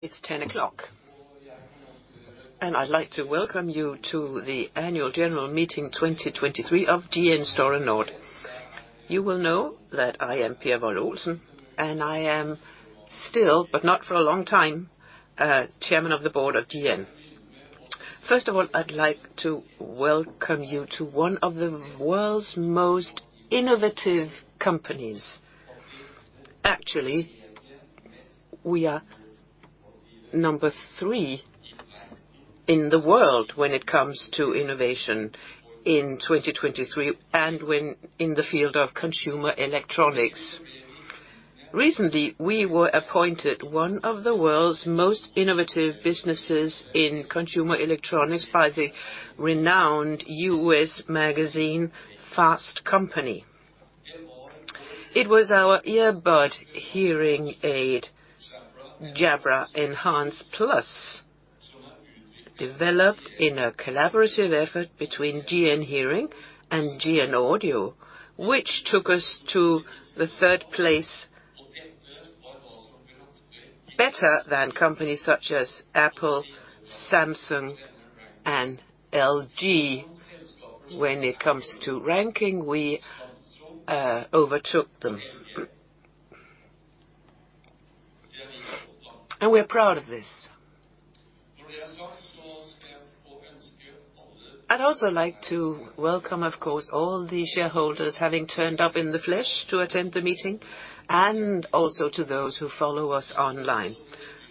It's 10:00. I'd like to welcome you to the annual general meeting 2023 of GN Store Nord. You will know that I am Per Wold-Olsen, and I am still, but not for a long time, Chairman of the Board of GN. First of all, I'd like to welcome you to one of the world's most innovative companies. Actually, we are number three in the world when it comes to innovation in 2023 and when in the field of consumer electronics. Recently, we were appointed one of the world's most innovative businesses in consumer electronics by the renowned U.S. magazine, Fast Company. It was our earbud hearing aid, Jabra Enhance Plus, developed in a collaborative effort between GN Hearing and GN Audio, which took us to the third place, better than companies such as Apple, Samsung, and LG. When it comes to ranking, we overtook them. We're proud of this. I'd also like to welcome, of course, all the shareholders having turned up in the flesh to attend the meeting and also to those who follow us online.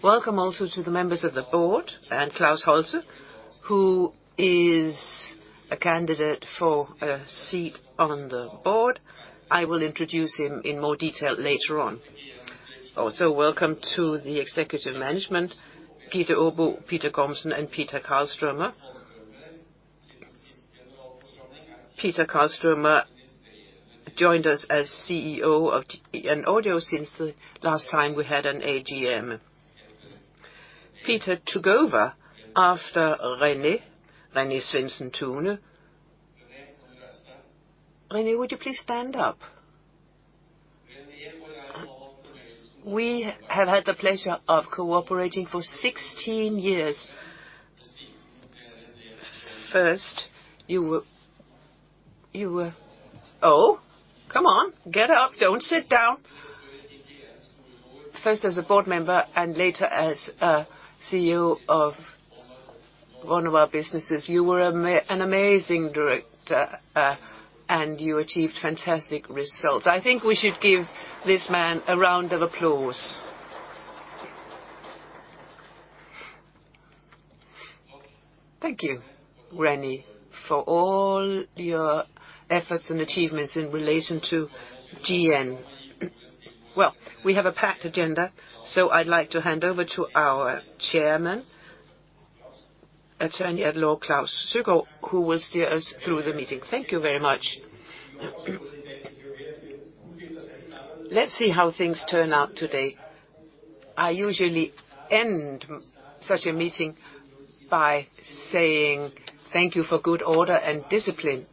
Welcome also to the members of the board and Klaus Holse, who is a candidate for a seat on the board. I will introduce him in more detail later on. Also, welcome to the executive management, Gitte Aabo, Peter Gormsen, and Peter Karlstromer. Peter Karlstromer joined us as CEO of GN Audio since the last time we had an AGM. Peter took over after René Svendsen-Tune. René, would you please stand up? We have had the pleasure of cooperating for 16 years. First, you were... Oh, come on, get up. Don't sit down. First as a board member and later as a CEO of one of our businesses. You were an amazing director and you achieved fantastic results. I think we should give this man a round of applause. Thank you, René, for all your efforts and achievements in relation to GN. We have a packed agenda, so I'd like to hand over to our Chairman, Attorney at Law, Klaus Søgaard, who will steer us through the meeting. Thank you very much. Let's see how things turn out today. I usually end such a meeting by saying thank you for good order and discipline.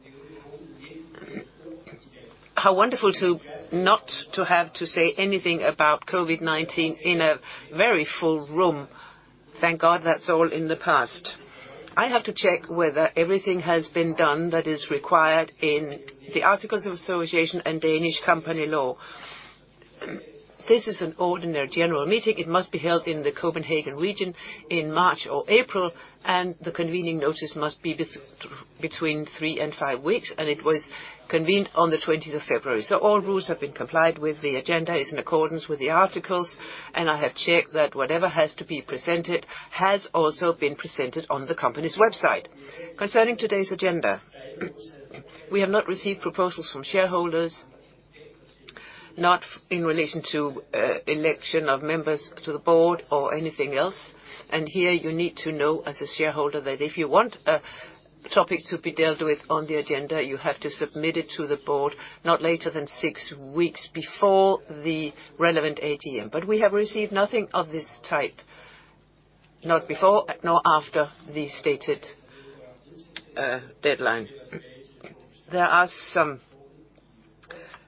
How wonderful not to have to say anything about COVID-19 in a very full room. Thank God, that's all in the past. I have to check whether everything has been done that is required in the Articles of Association and Danish Company Law. This is an ordinary general meeting. It must be held in the Copenhagen region in March or April, the convening notice must be between three and five weeks, it was convened on the 20th of February. All rules have been complied with. The agenda is in accordance with the articles, I have checked that whatever has to be presented has also been presented on the company's website. Concerning today's agenda, we have not received proposals from shareholders, not in relation to election of members to the board or anything else. Here you need to know as a shareholder that if you want a topic to be dealt with on the agenda, you have to submit it to the board, not later than six weeks before the relevant AGM. We have received nothing of this type, not before, nor after the stated deadline. There are some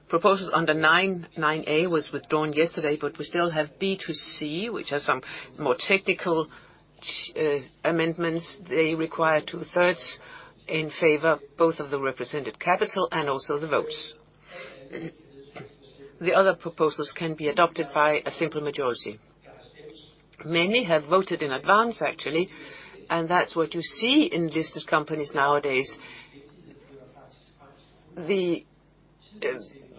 proposals under 9.a was withdrawn yesterday, but we still have B to C, which are some more technical amendments. They require 2/3 in favor, both of the represented capital and also the votes. The other proposals can be adopted by a simple majority. Many have voted in advance, actually. That's what you see in listed companies nowadays. The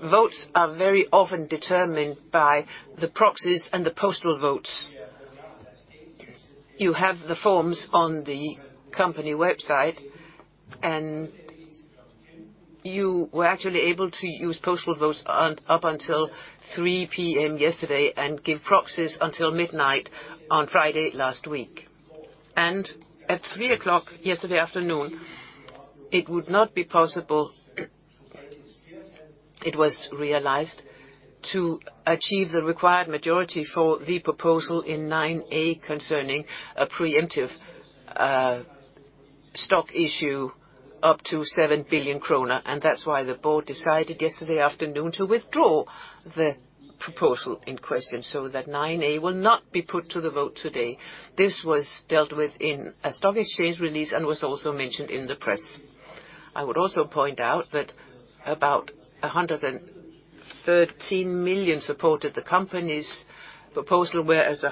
votes are very often determined by the proxies and the postal votes. You have the forms on the company website. You were actually able to use postal votes up until 3:00 P.M. yesterday and give proxies until midnight on Friday last week. At 3:00 yesterday afternoon, it would not be possible, it was realized, to achieve the required majority for the proposal in 9.a concerning a preemptive stock issue up to 7 billion kroner. That's why the board decided yesterday afternoon to withdraw the proposal in question, so that 9.a Will not be put to the vote today. This was dealt with in a stock exchange release and was also mentioned in the press. I would also point out that about 113 million supported the company's proposal, whereas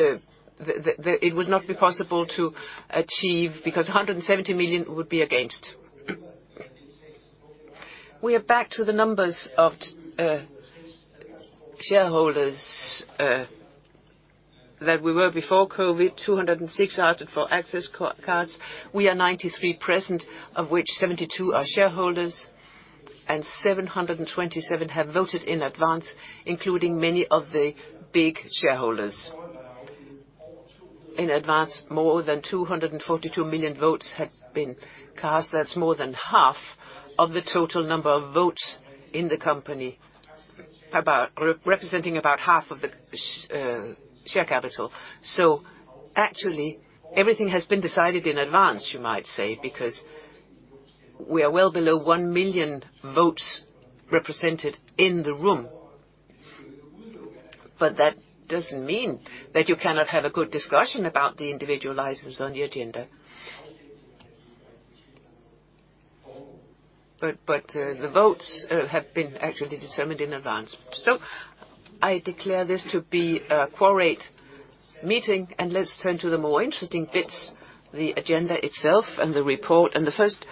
It would not be possible to achieve because 170 million would be against. We are back to the numbers of shareholders that we were before COVID, 206 asked for access cards. We are 93 present, of which 72 are shareholders, and 727 have voted in advance, including many of the big shareholders. In advance, more than 242 million votes had been cast. That's more than half of the total number of votes in the company. Representing about half of the share capital. Actually, everything has been decided in advance, you might say, because we are well below one million votes represented in the room. That doesn't mean that you cannot have a good discussion about the individual items on the agenda. The votes have been actually determined in advance. I declare this to be a quorum meeting, and let's turn to the more interesting bits, the agenda itself and the report. The first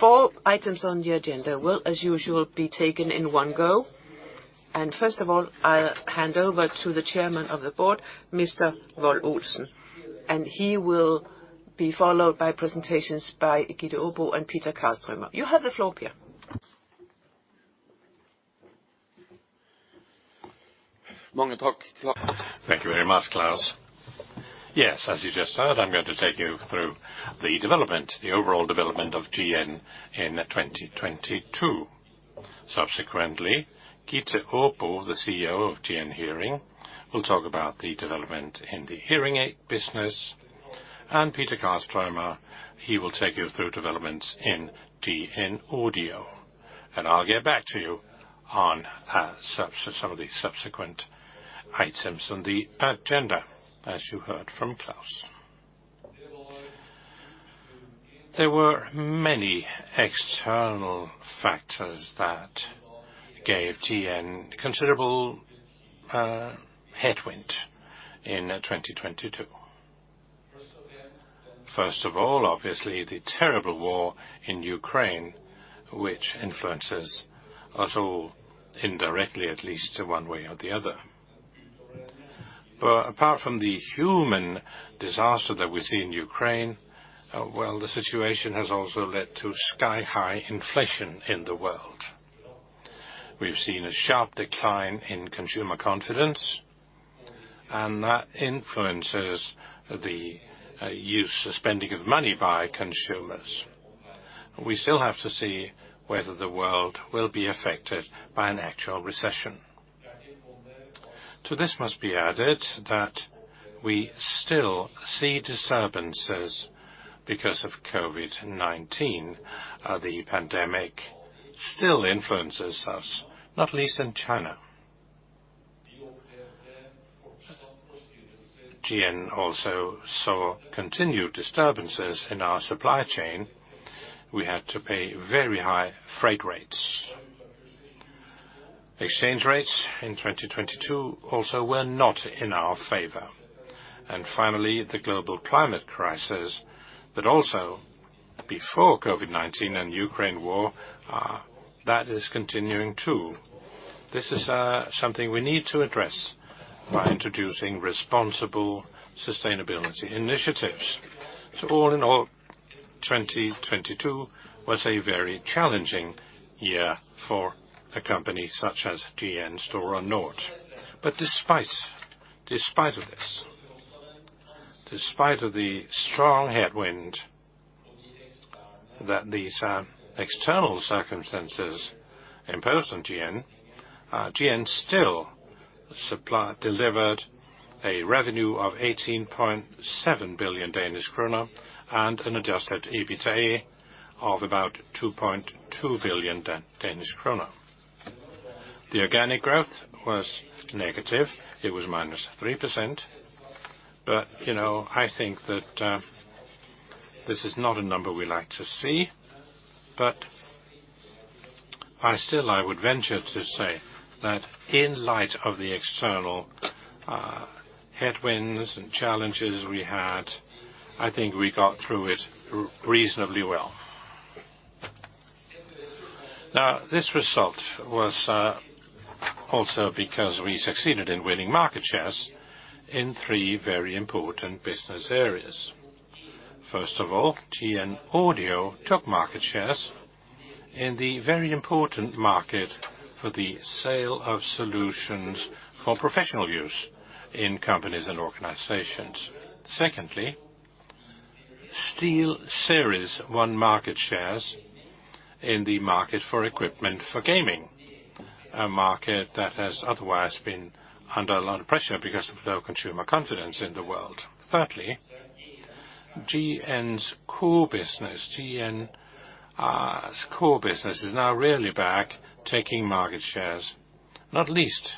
four items on the agenda will, as usual, be taken in one go. First of all, I'll hand over to the Chairman of the Board, Mr. Wold-Olsen, and he will be followed by presentations by Gitte Aabo and Peter Karlstromer. You have the floor, Per. Thank you very much, Klaus. Yes, as you just said, I'm going to take you through the development, the overall development of GN in 2022. Subsequently, Gitte Aabo, the CEO of GN Hearing, will talk about the development in the hearing aid business, and Peter Karlstromer, he will take you through developments in GN Audio. I'll get back to you on some of the subsequent items on the agenda, as you heard from Klaus. There were many external factors that gave GN considerable headwind in 2022. First of all, obviously, the terrible war in Ukraine, which influences us all indirectly, at least to one way or the other. Apart from the human disaster that we see in Ukraine, well, the situation has also led to sky-high inflation in the world. We've seen a sharp decline in consumer confidence, that influences the use, the spending of money by consumers. We still have to see whether the world will be affected by an actual recession. To this must be added that we still see disturbances because of COVID-19. The pandemic still influences us, not least in China. GN also saw continued disturbances in our supply chain. We had to pay very high freight rates. Exchange rates in 2022 also were not in our favor. Finally, the global climate crisis, but also before COVID-19 and Ukraine war, that is continuing too. This is something we need to address by introducing responsible sustainability initiatives. All in all, 2022 was a very challenging year for a company such as GN Store Nord. Despite of this, despite of the strong headwind that these external circumstances imposed on GN still delivered a revenue of 18.7 billion Danish kroner and an Adjusted EBITDA of about 2.2 billion Danish kroner. The organic growth was negative. It was -3%. You know, I think that this is not a number we like to see, I would venture to say that in light of the external headwinds and challenges we had, I think we got through it reasonably well. This result was also because we succeeded in winning market shares in three very important business areas. First of all, GN Audio took market shares in the very important market for the sale of solutions for professional use in companies and organizations. Secondly, SteelSeries' market shares in the market for equipment for gaming. A market that has otherwise been under a lot of pressure because of low consumer confidence in the world. Thirdly, GN's core business, GN core business is now really back taking market shares, not least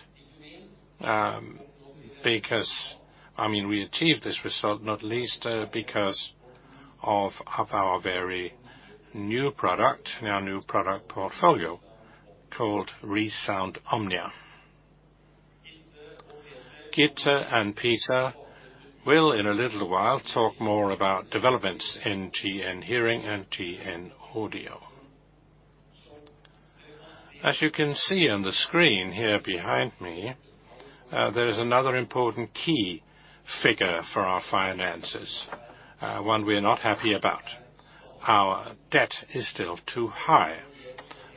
because I mean, we achieved this result, not least because of our very new product and our new product portfolio called ReSound OMNIA. Gitte and Peter will, in a little while, talk more about developments in GN Hearing and GN Audio. As you can see on the screen here behind me, there is another important key figure for our finances, one we're not happy about. Our debt is still too high.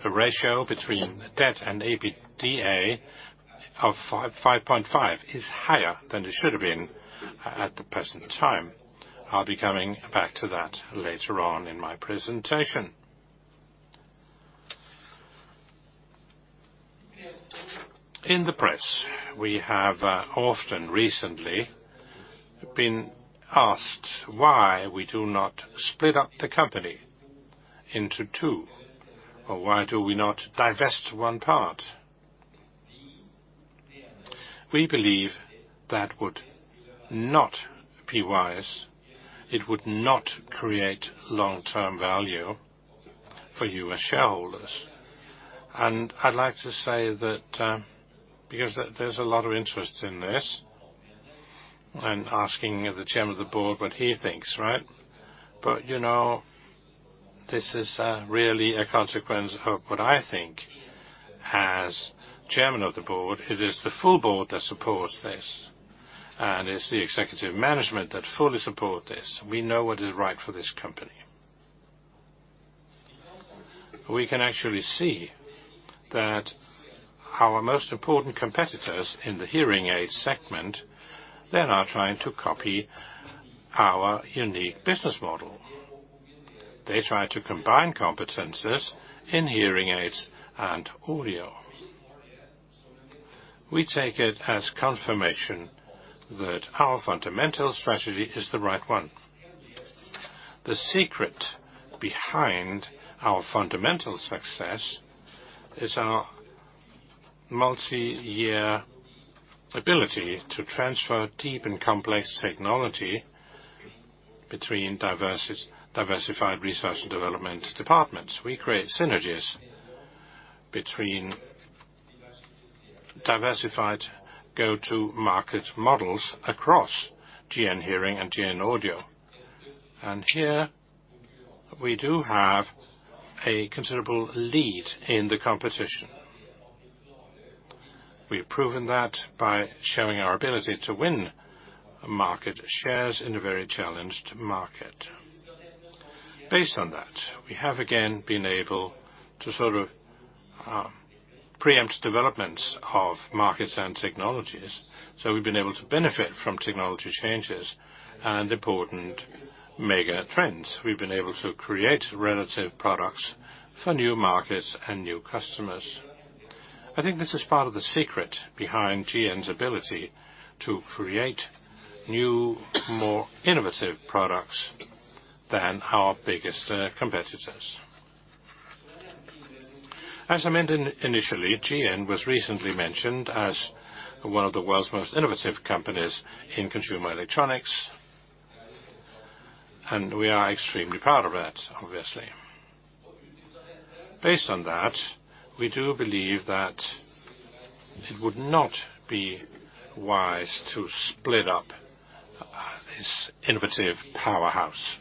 The ratio between debt and EBITDA of 5.5 is higher than it should have been at the present time. I'll be coming back to that later on in my presentation. In the press, we have often recently been asked why we do not split up the company into two, or why do we not divest one part. We believe that would not be wise. It would not create long-term value for you as shareholders. I'd like to say that, because there's a lot of interest in this and asking the chairman of the board what he thinks, right? You know, this is really a consequence of what I think as chairman of the board. It is the full board that supports this, and it's the executive management that fully support this. We know what is right for this company. We can actually see that our most important competitors in the hearing aid segment, they are now trying to copy our unique business model. They try to combine competencies in hearing aids and audio. We take it as confirmation that our fundamental strategy is the right one. The secret behind our fundamental success is our multi-year ability to transfer deep and complex technology between diversified research and development departments. We create synergies between diversified go-to-market models across GN Hearing and GN Audio. Here we do have a considerable lead in the competition. We've proven that by showing our ability to win market shares in a very challenged market. Based on that, we have again been able to sort of preempt developments of markets and technologies. We've been able to benefit from technology changes and important mega trends. We've been able to create relative products for new markets and new customers. I think this is part of the secret behind GN's ability to create new, more innovative products than our biggest competitors. As I mentioned initially, GN was recently mentioned as one of the world's most innovative companies in consumer electronics. We are extremely proud of that, obviously. Based on that, we do believe that it would not be wise to split up this innovative powerhouse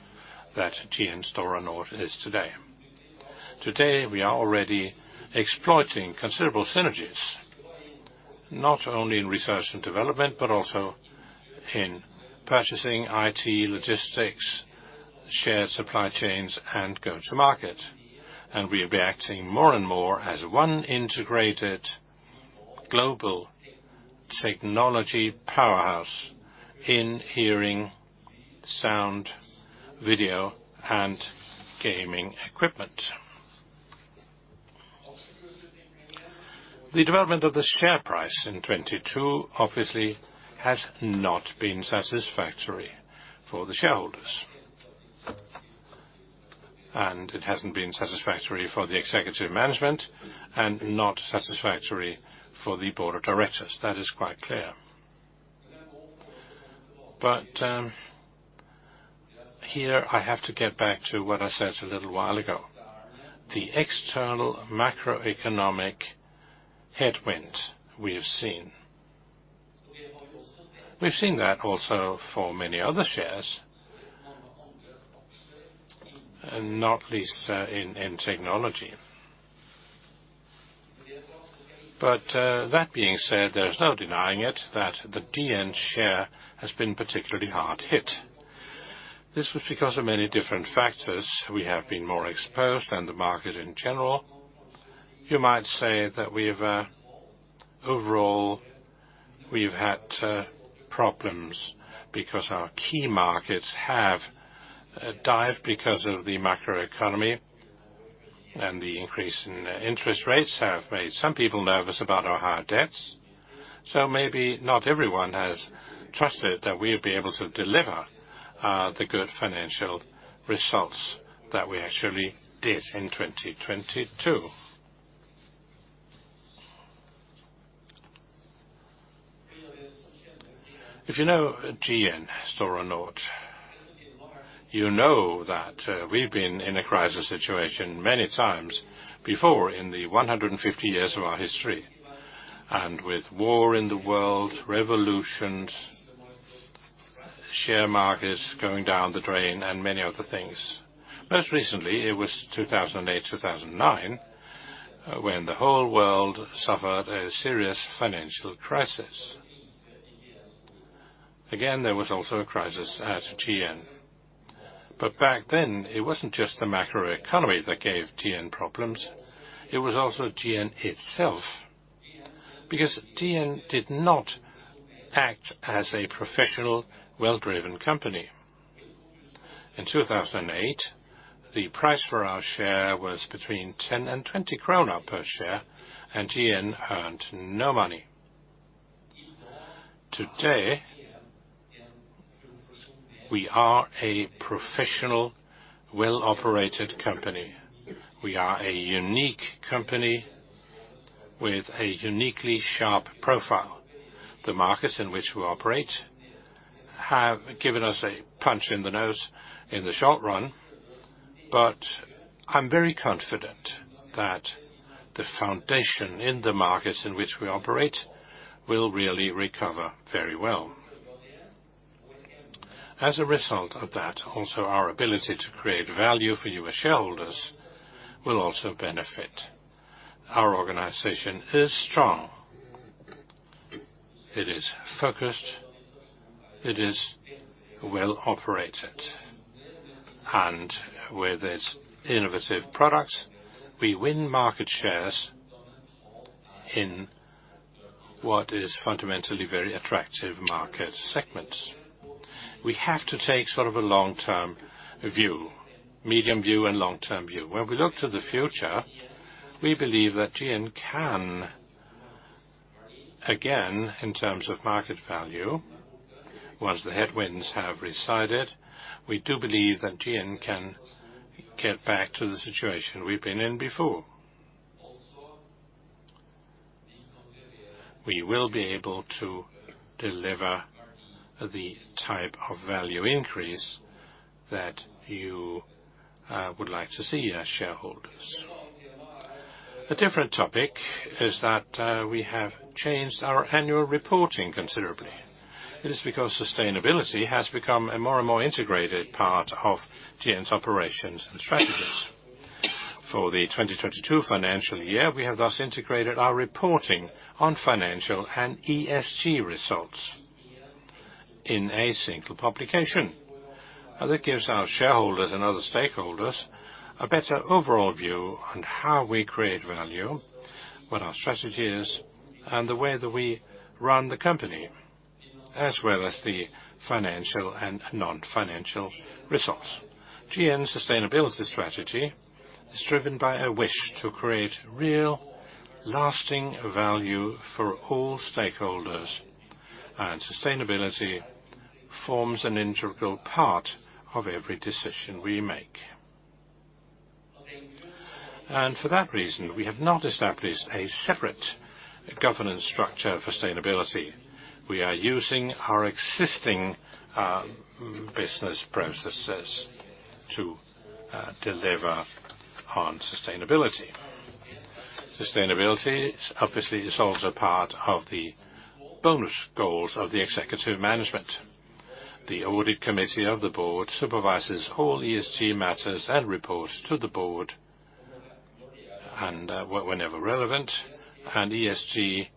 that GN Store Nord is today. Today, we are already exploiting considerable synergies, not only in research and development, but also in purchasing IT, logistics, shared supply chains, and go-to-market. We'll be acting more and more as one integrated global technology powerhouse in hearing, sound, video, and gaming equipment. The development of the share price in 2022 obviously has not been satisfactory for the shareholders. It hasn't been satisfactory for the executive management and not satisfactory for the board of directors. That is quite clear. Here I have to get back to what I said a little while ago, the external macroeconomic headwind we have seen. We've seen that also for many other shares, and not least, in technology. That being said, there's no denying it that the GN share has been particularly hard hit. This was because of many different factors. We have been more exposed than the market in general. You might say that we've overall, we've had problems because our key markets have dived because of the macroeconomy, and the increase in interest rates have made some people nervous about our high debts. Maybe not everyone has trusted that we'll be able to deliver the good financial results that we actually did in 2022. If you know GN Store Nord, you know that we've been in a crisis situation many times before in the 150 years of our history, and with war in the world, revolutions, share markets going down the drain, and many other things. Most recently, it was 2008, 2009, when the whole world suffered a serious financial crisis. Again, there was also a crisis at GN. Back then, it wasn't just the macroeconomy that gave GN problems, it was also GN itself, because GN did not act as a professional, well-driven company. In 2008, the price for our share was between 10 and 20 kroner per share, and GN earned no money. Today, we are a professional, well-operated company. We are a unique company with a uniquely sharp profile. The markets in which we operate have given us a punch in the nose in the short run, but I'm very confident that the foundation in the markets in which we operate will really recover very well. As a result of that, also our ability to create value for you as shareholders will also benefit. Our organization is strong, it is focused, it is well-operated. With its innovative products, we win market shares in what is fundamentally very attractive market segments. We have to take sort of a long-term view, medium view and long-term view. When we look to the future, we believe that GN can, again, in terms of market value, once the headwinds have resided, we do believe that GN can get back to the situation we've been in before. We will be able to deliver the type of value increase that you would like to see as shareholders. A different topic is that we have changed our annual reporting considerably. It is because sustainability has become a more and more integrated part of GN's operations and strategies. For the 2022 financial year, we have thus integrated our reporting on financial and ESG results in a single publication, that gives our shareholders and other stakeholders a better overall view on how we create value, what our strategy is, and the way that we run the company, as well as the financial and non-financial results. GN sustainability strategy is driven by a wish to create real, lasting value for all stakeholders, and sustainability forms an integral part of every decision we make. For that reason, we have not established a separate governance structure for sustainability. We are using our existing business processes to deliver on sustainability. Sustainability obviously is also part of the bonus goals of the executive management. The audit committee of the board supervises all ESG matters and reports to the board whenever relevant, and ESG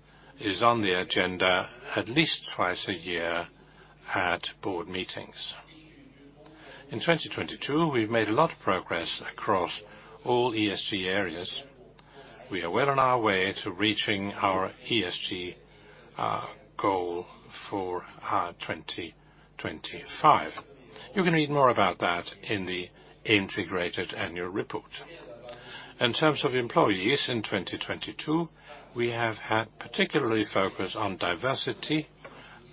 is on the agenda at least twice a year at board meetings. In 2022, we've made a lot of progress across all ESG areas. We are well on our way to reaching our ESG goal for 2025. You can read more about that in the integrated annual report. In terms of employees in 2022, we have had particularly focus on diversity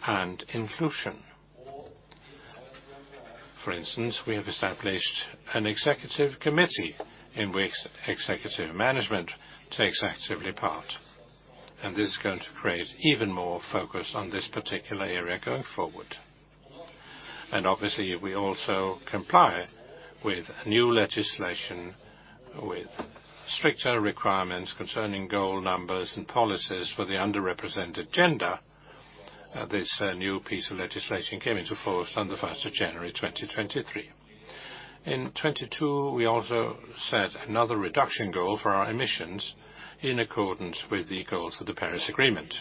and inclusion. For instance, we have established an executive committee in which executive management takes actively part. This is going to create even more focus on this particular area going forward. Obviously, we also comply with new legislation with stricter requirements concerning goal numbers and policies for the underrepresented gender. This new piece of legislation came into force on the 1st of January, 2023. In 2022, we also set another reduction goal for our emissions in accordance with the goals of the Paris Agreement.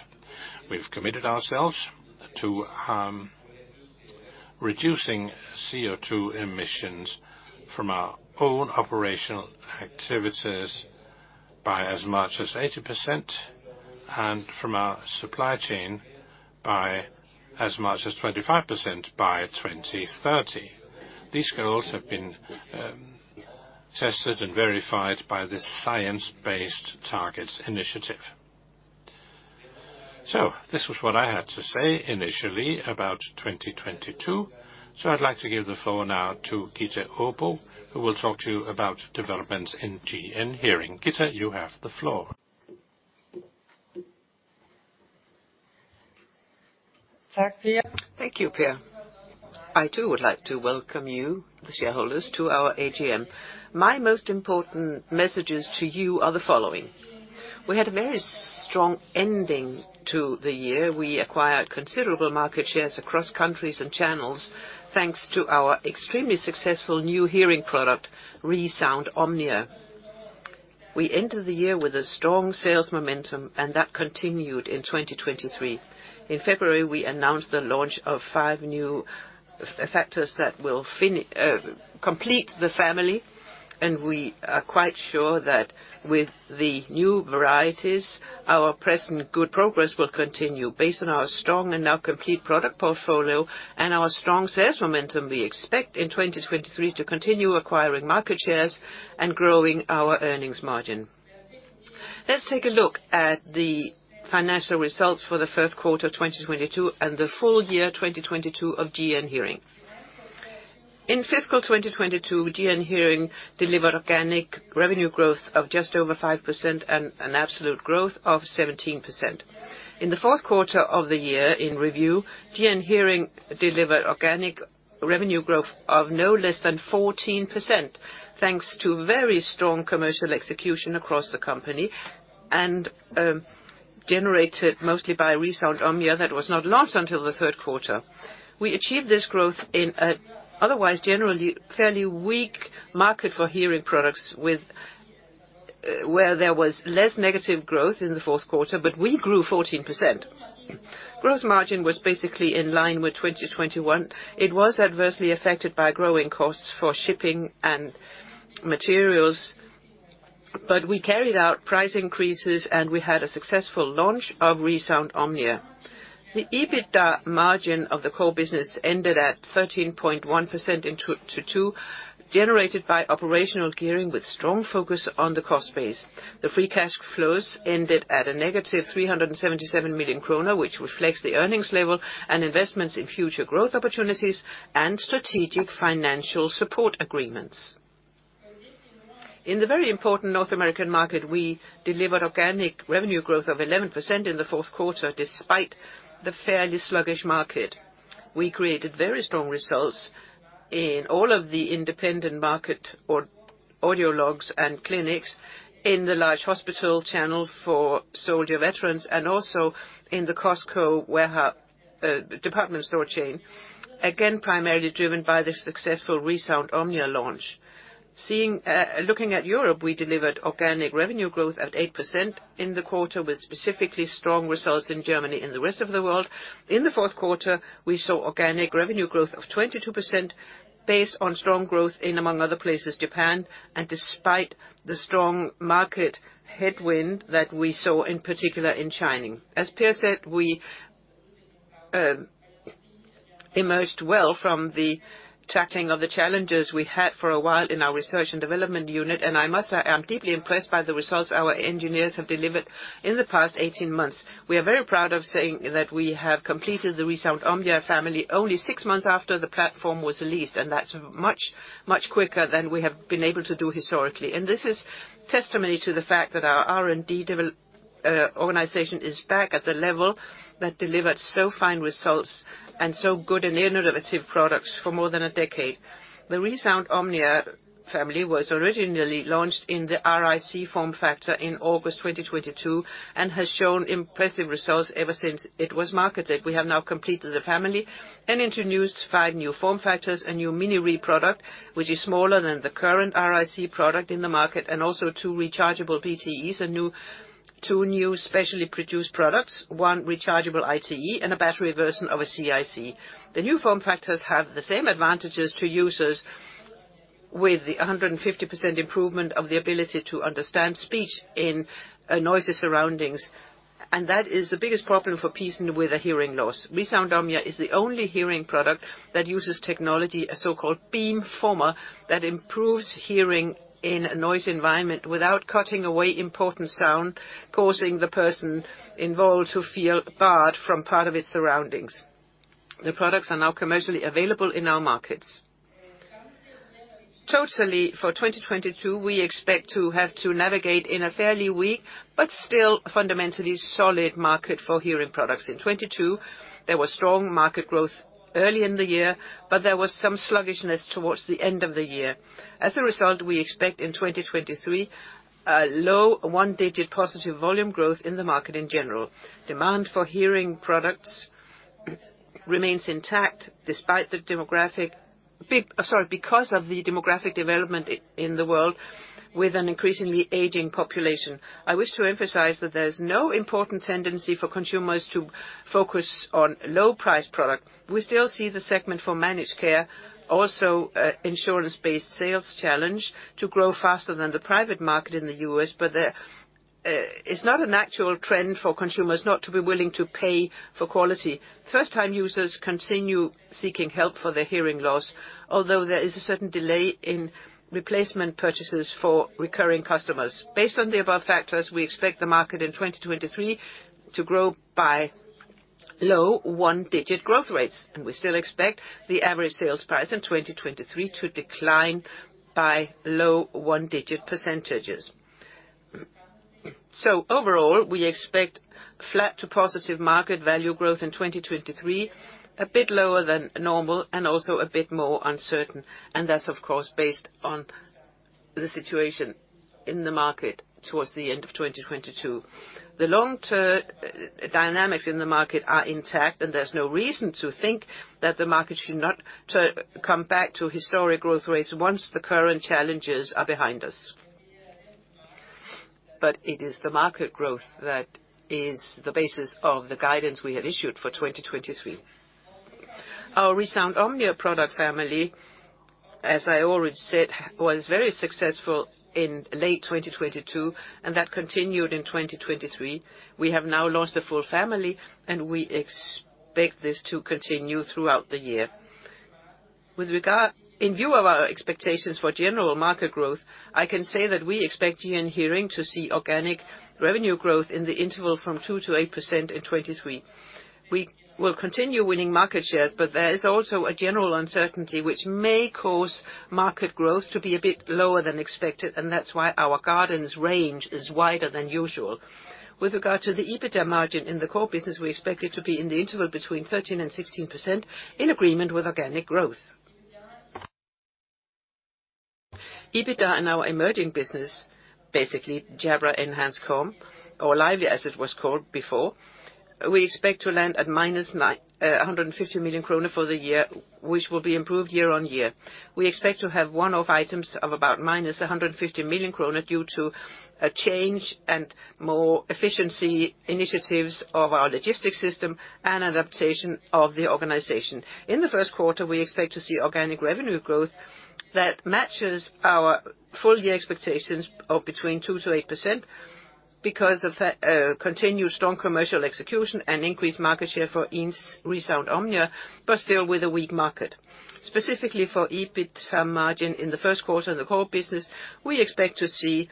We've committed ourselves to reducing CO2 emissions from our own operational activities by as much as 80%, and from our supply chain by as much as 25% by 2030. These goals have been tested and verified by the Science Based Targets initiative. This was what I had to say initially about 2022. I'd like to give the floor now to Gitte Aabo, who will talk to you about developments in GN Hearing. Gitte, you have the floor. Thank you, Per. I too would like to welcome you, the shareholders, to our AGM. My most important messages to you are the following. We had a very strong ending to the year. We acquired considerable market shares across countries and channels thanks to our extremely successful new hearing product, ReSound OMNIA. We ended the year with a strong sales momentum, that continued in 2023. In February, we announced the launch of five new factors that will complete the family, we are quite sure that with the new varieties, our present good progress will continue. Based on our strong and now complete product portfolio and our strong sales momentum, we expect in 2023 to continue acquiring market shares and growing our earnings margin. Let's take a look at the financial results for the first quarter of 2022 and the full year, 2022 of GN Hearing. In fiscal 2022, GN Hearing delivered organic revenue growth of just over 5% and an absolute growth of 17%. In the fourth quarter of the year in review, GN Hearing delivered organic revenue growth of no less than 14%, thanks to very strong commercial execution across the company and generated mostly by ReSound OMNIA that was not launched until the third quarter. We achieved this growth in an otherwise generally fairly weak market for hearing products. There was less negative growth in the fourth quarter, but we grew 14%. Gross margin was basically in line with 2021. It was adversely affected by growing costs for shipping and materials, but we carried out price increases, and we had a successful launch of ReSound OMNIA. The EBITDA margin of the core business ended at 13.1% in 2022, generated by operational gearing with strong focus on the cost base. The free cash flows ended at a negative 377 million kroner, which reflects the earnings level and investments in future growth opportunities and strategic financial support agreements. In the very important North American market, we delivered organic revenue growth of 11% in the fourth quarter, despite the fairly sluggish market. We created very strong results in all of the independent market or audiologists and clinics in the large hospital channel for soldier veterans and also in the Costco warehouse department store chain. Again, primarily driven by the successful ReSound OMNIA launch. Seeing, looking at Europe, we delivered organic revenue growth at 8% in the quarter, with specifically strong results in Germany and the rest of the world. In the fourth quarter, we saw organic revenue growth of 22% based on strong growth in, among other places, Japan, despite the strong market headwind that we saw, in particular in China. As Per said, we emerged well from the tackling of the challenges we had for a while in our R&D unit, I must say I am deeply impressed by the results our engineers have delivered in the past 18 months. We are very proud of saying that we have completed the ReSound OMNIA family only six months after the platform was released, that's much, much quicker than we have been able to do historically. This is testimony to the fact that our R&D organization is back at the level that delivered so fine results and so good and innovative products for more than a decade. The ReSound OMNIA family was originally launched in the RIC form factor in August 2022 and has shown impressive results ever since it was marketed. We have now completed the family and introduced five new form factors, a new mini RIE product, which is smaller than the current RIC product in the market, and also two rechargeable PTEs, two new specially produced products, one rechargeable ITE, and a battery version of a CIC. The new form factors have the same advantages to users with the 150% improvement of the ability to understand speech in noisy surroundings, and that is the biggest problem for person with a hearing loss. ReSound OMNIA is the only hearing product that uses technology, a so-called beam former, that improves hearing in a noisy environment without cutting away important sound, causing the person involved to feel barred from part of its surroundings. The products are now commercially available in our markets. For 2022, we expect to have to navigate in a fairly weak but still fundamentally solid market for hearing products. In 2022, there was strong market growth early in the year, but there was some sluggishness towards the end of the year. As a result, we expect in 2023 a low one-digit positive volume growth in the market in general. Demand for hearing products remains intact despite the demographic, sorry, because of the demographic development in the world with an increasingly aging population, I wish to emphasize that there's no important tendency for consumers to focus on low-price product. We still see the segment for managed care, also insurance-based sales challenge to grow faster than the private market in the U.S., but there is not an actual trend for consumers not to be willing to pay for quality. First-time users continue seeking help for their hearing loss, although there is a certain delay in replacement purchases for recurring customers. Based on the above factors, we expect the market in 2023 to grow by low one-digit growth rates, and we still expect the average sales price in 2023 to decline by low one-digit percentages. Overall, we expect flat to positive market value growth in 2023, a bit lower than normal, and also a bit more uncertain. That's of course, based on the situation in the market towards the end of 2022. The long term dynamics in the market are intact. There's no reason to think that the market should not come back to historic growth rates once the current challenges are behind us. It is the market growth that is the basis of the guidance we have issued for 2023. Our ReSound OMNIA product family, as I already said, was very successful in late 2022. That continued in 2023. We have now launched the full family. We expect this to continue throughout the year. In view of our expectations for general market growth, I can say that we expect GN Hearing to see organic revenue growth in the interval from 2%-8% in 2023. We will continue winning market shares, but there is also a general uncertainty which may cause market growth to be a bit lower than expected, and that's why our guidance range is wider than usual. With regard to the EBITDA margin in the core business, we expect it to be in the interval between 13%-16% in agreement with organic growth. EBITDA in our emerging business, basically Jabra Enhance, or Lively as it was called before, we expect to land at -150 million kroner for the year, which will be improved year-on-year. We expect to have one-off items of about -150 million kroner due to a change and more efficiency initiatives of our logistics system and adaptation of the organization. In the first quarter, we expect to see organic revenue growth that matches our full year expectations of between 2%-8% because of a continuous strong commercial execution and increased market share for ReSound OMNIA, but still with a weak market. Specifically for EBITDA margin in the first quarter in the core business, we expect to see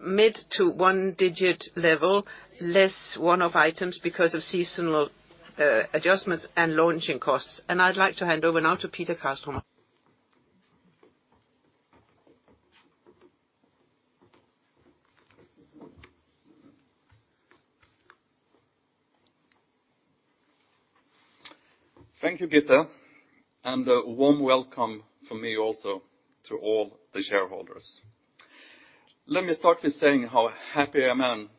mid to one-digit level, less one-off items because of seasonal adjustments and launching costs. I'd like to hand over now to Peter Karlstromer. Thank you, Gitte. A warm welcome from me also to all the shareholders. Let me start with saying how happy I am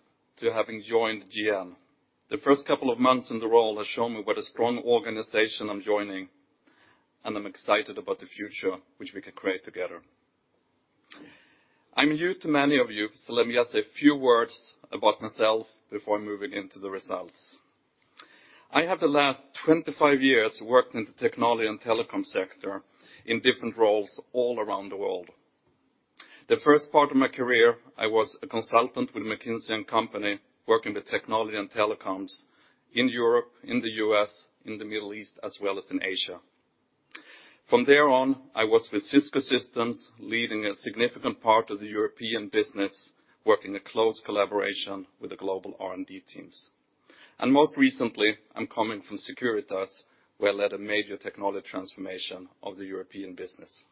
to having joined GN. The first couple of months in the role has shown me what a strong organization I'm joining, and I'm excited about the future which we can create together. I'm new to many of you, let me just say a few words about myself before moving into the results. I have the last 25 years working in the technology and telecom sector in different roles all around the world. The first part of my career, I was a consultant with McKinsey & Company, working with technology and telecoms in Europe, in the U.S., in the Middle East, as well as in Asia. From there on, I was with Cisco Systems, leading a significant part of the European business, working a close collaboration with the global R&D teams. Most recently, I'm coming from Securitas, where I led a major technology transformation of the European business.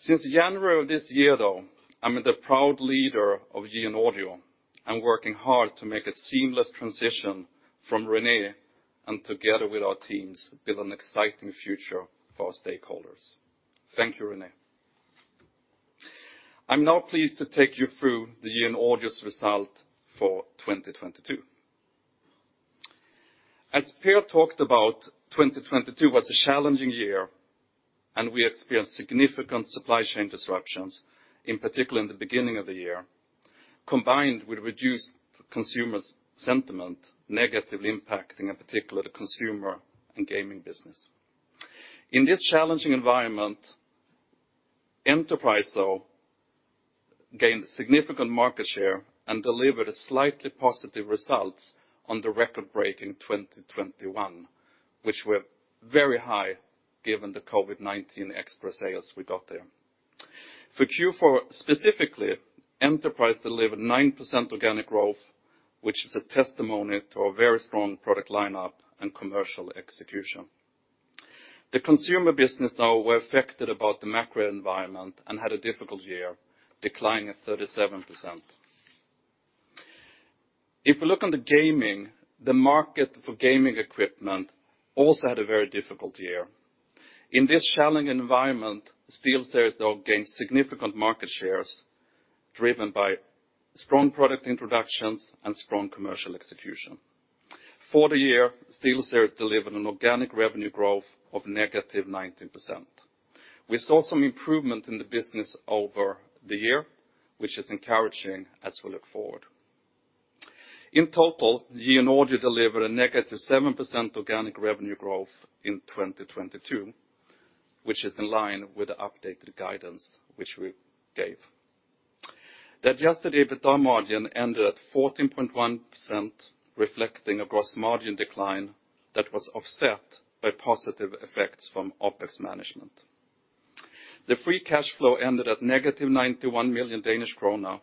Since January of this year, though, I'm the proud leader of GN Audio. I'm working hard to make a seamless transition from René, and together with our teams, build an exciting future for our stakeholders. Thank you, René. I'm now pleased to take you through the GN Audio's result for 2022. As Per talked about, 2022 was a challenging year, and we experienced significant supply chain disruptions, in particular in the beginning of the year, combined with reduced consumer sentiment, negatively impacting, in particular, the consumer and gaming business. In this challenging environment, Enterprise, though, gained significant market share and delivered a slightly positive results on the record-breaking 2021, which were very high given the COVID-19 extra sales we got there. For Q4, specifically, Enterprise delivered 9% organic growth, which is a testimony to a very strong product lineup and commercial execution. The consumer business, though, were affected about the macro environment and had a difficult year, declining at 37%. If we look on the gaming, the market for gaming equipment also had a very difficult year. In this challenging environment, SteelSeries, though, gained significant market shares. Driven by strong product introductions and strong commercial execution. For the year, SteelSeries delivered an organic revenue growth of -19%. We saw some improvement in the business over the year, which is encouraging as we look forward. In total, GN Audio delivered a -7% organic revenue growth in 2022, which is in line with the updated guidance which we gave. The Adjusted EBITDA margin ended at 14.1%, reflecting a gross margin decline that was offset by positive effects from OpEx management. The free cash flow ended at -91 million Danish krone.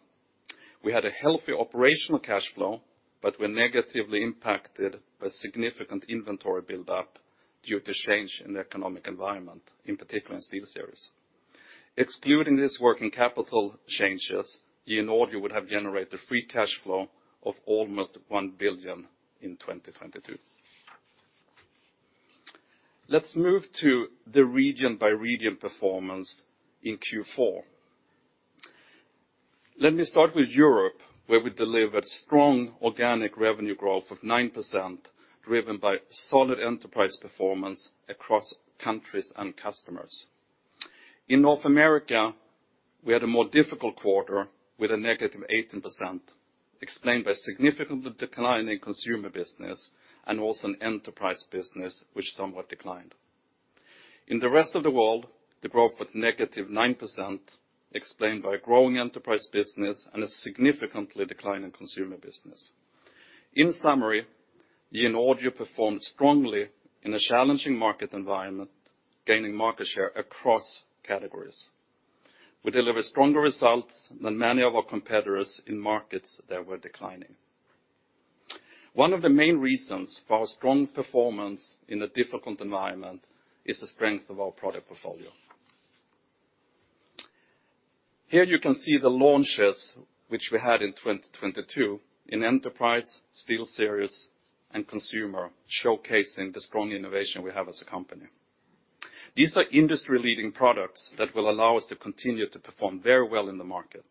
We had a healthy operational cash flow, but were negatively impacted by significant inventory build-up due to change in the economic environment, in particular in SteelSeries. Excluding these working capital changes, GN Audio would have generated free cash flow of almost 1 billion in 2022. Let's move to the region by region performance in Q4. Let me start with Europe, where we delivered strong organic revenue growth of 9% driven by solid enterprise performance across countries and customers. In North America, we had a more difficult quarter with a -18% explained by significant decline in consumer business and also in enterprise business, which somewhat declined. In the rest of the world, the growth was -9% explained by growing enterprise business and a significantly decline in consumer business. In summary, GN Audio performed strongly in a challenging market environment, gaining market share across categories. We delivered stronger results than many of our competitors in markets that were declining. One of the main reasons for our strong performance in a difficult environment is the strength of our product portfolio. Here you can see the launches which we had in 2022 in Enterprise, SteelSeries, and Consumer, showcasing the strong innovation we have as a company. These are industry-leading products that will allow us to continue to perform very well in the market.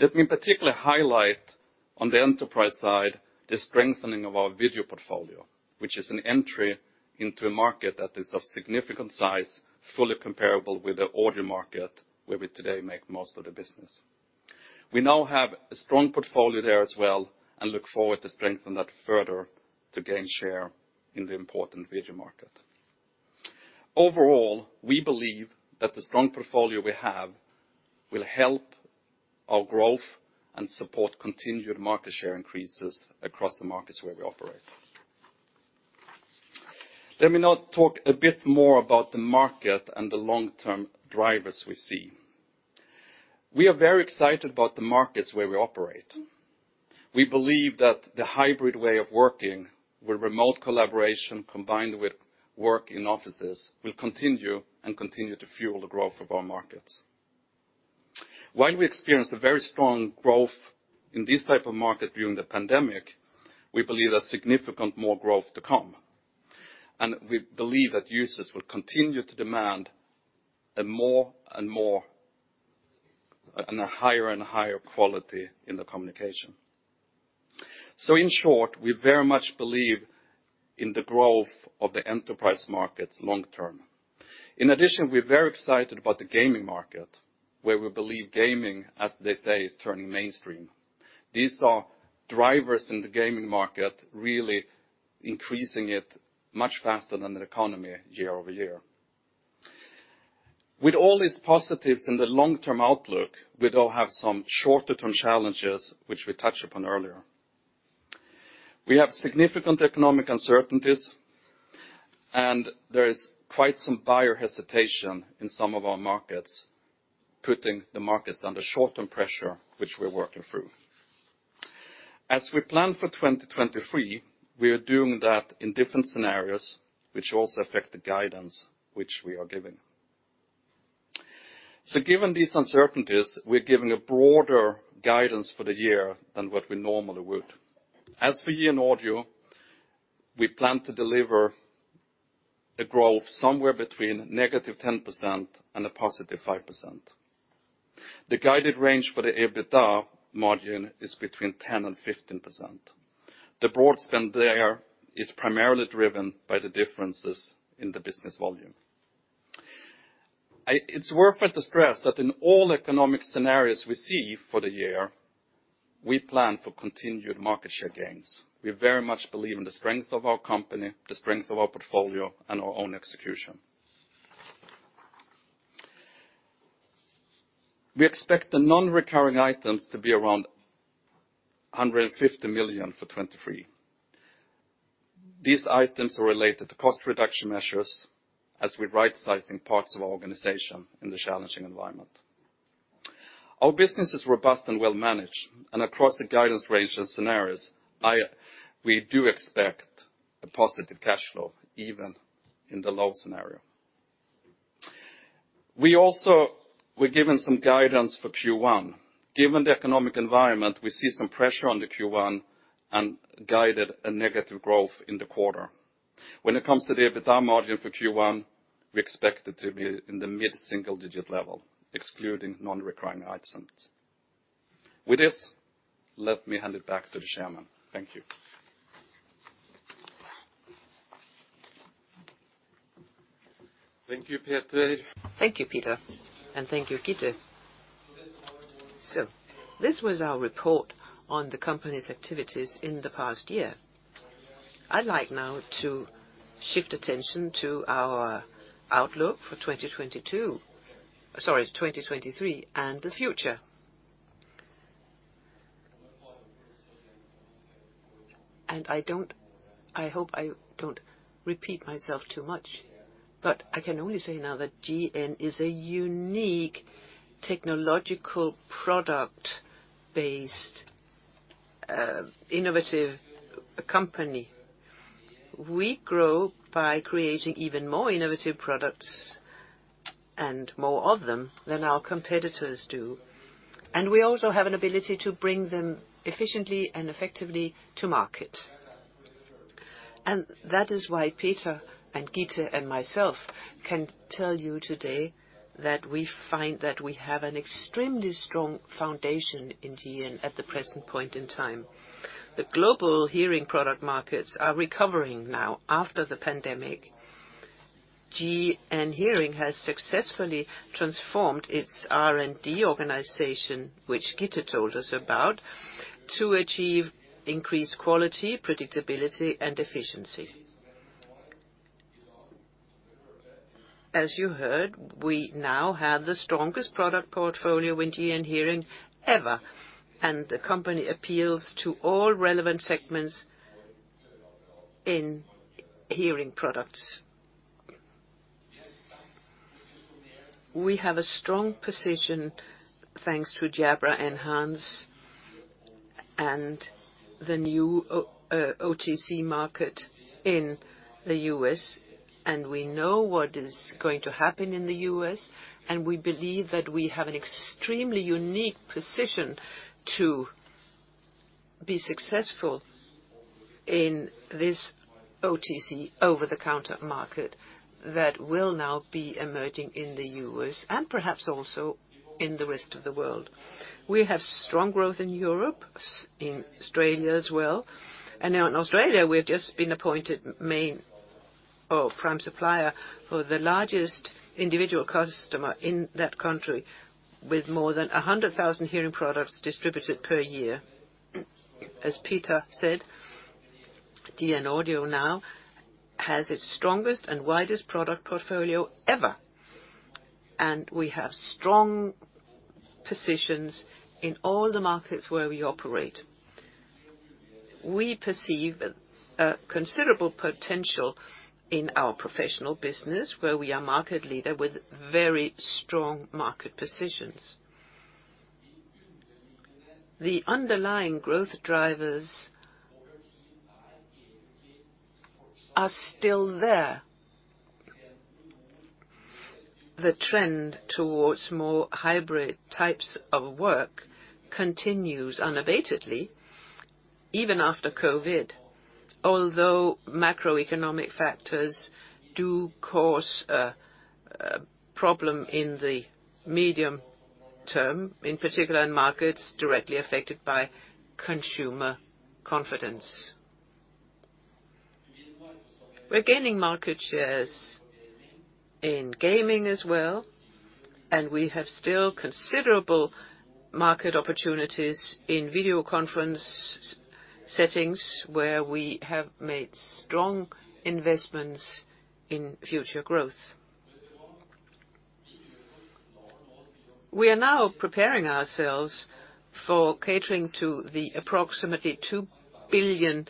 Let me in particular highlight on the enterprise side, the strengthening of our video portfolio, which is an entry into a market that is of significant size, fully comparable with the audio market where we today make most of the business. We now have a strong portfolio there as well, and look forward to strengthen that further to gain share in the important video market. Overall, we believe that the strong portfolio we have will help our growth and support continued market share increases across the markets where we operate. Let me now talk a bit more about the market and the long-term drivers we see. We are very excited about the markets where we operate. We believe that the hybrid way of working with remote collaboration combined with work in offices will continue and continue to fuel the growth of our markets. While we experienced a very strong growth in this type of market during the pandemic, we believe there's significant more growth to come. We believe that users will continue to demand a higher and higher quality in the communication. In short, we very much believe in the growth of the enterprise markets long term. In addition, we're very excited about the gaming market, where we believe gaming, as they say, is turning mainstream. These are drivers in the gaming market really increasing it much faster than the economy year-over-year. With all these positives in the long-term outlook, we do have some shorter term challenges which we touched upon earlier. We have significant economic uncertainties. There is quite some buyer hesitation in some of our markets, putting the markets under short-term pressure which we're working through. As we plan for 2023, we are doing that in different scenarios, which also affect the guidance which we are giving. Given these uncertainties, we're giving a broader guidance for the year than what we normally would. As for GN Audio, we plan to deliver a growth somewhere between -10% and a +5%. The guided range for the EBITDA margin is between 10% and 15%. The broad spend there is primarily driven by the differences in the business volume. It's worth it to stress that in all economic scenarios we see for the year, we plan for continued market share gains. We very much believe in the strength of our company, the strength of our portfolio, and our own execution. We expect the non-recurring items to be around 150 million for 2023. These items are related to cost reduction measures as we're rightsizing parts of our organization in the challenging environment. Our business is robust and well managed. Across the guidance range of scenarios, we do expect a positive cash flow even in the low scenario. We also were given some guidance for Q1. Given the economic environment, we see some pressure on the Q1 and guided a negative growth in the quarter. When it comes to the EBITDA margin for Q1, we expect it to be in the mid-single digit level, excluding non-recurring items. With this, let me hand it back to the chairman. Thank you. Thank you, Peter. Thank you, Peter, and thank you, Gitte. This was our report on the company's activities in the past year. I'd like now to shift attention to our outlook for 2022. Sorry, 2023, and the future. I hope I don't repeat myself too much, but I can only say now that GN is a unique technological product-based, innovative company. We grow by creating even more innovative products, and more of them than our competitors do. We also have an ability to bring them efficiently and effectively to market. That is why Peter and Gitte and myself can tell you today that we find that we have an extremely strong foundation in GN at the present point in time. The global hearing product markets are recovering now after the pandemic. GN Hearing has successfully transformed its R&D organization, which Gitte told us about, to achieve increased quality, predictability, and efficiency. As you heard, we now have the strongest product portfolio in GN Hearing ever, and the company appeals to all relevant segments in hearing products. We have a strong position, thanks to Jabra Enhance, and the new OTC market in the U.S., and we know what is going to happen in the U.S., and we believe that we have an extremely unique position to be successful in this OTC, over-the-counter market that will now be emerging in the U.S., and perhaps also in the rest of the world. We have strong growth in Europe, in Australia as well. Now in Australia, we've just been appointed main or prime supplier for the largest individual customer in that country, with more than 100,000 hearing products distributed per year. As Peter said, GN Audio now has its strongest and widest product portfolio ever, and we have strong positions in all the markets where we operate. We perceive a considerable potential in our professional business, where we are market leader with very strong market positions. The underlying growth drivers are still there. The trend towards more hybrid types of work continues unabatedly, even after COVID. Although macroeconomic factors do cause a problem in the medium term, in particular in markets directly affected by consumer confidence. We're gaining market shares in gaming as well, and we have still considerable market opportunities in video conference settings, where we have made strong investments in future growth. We are now preparing ourselves for catering to the approximately two billion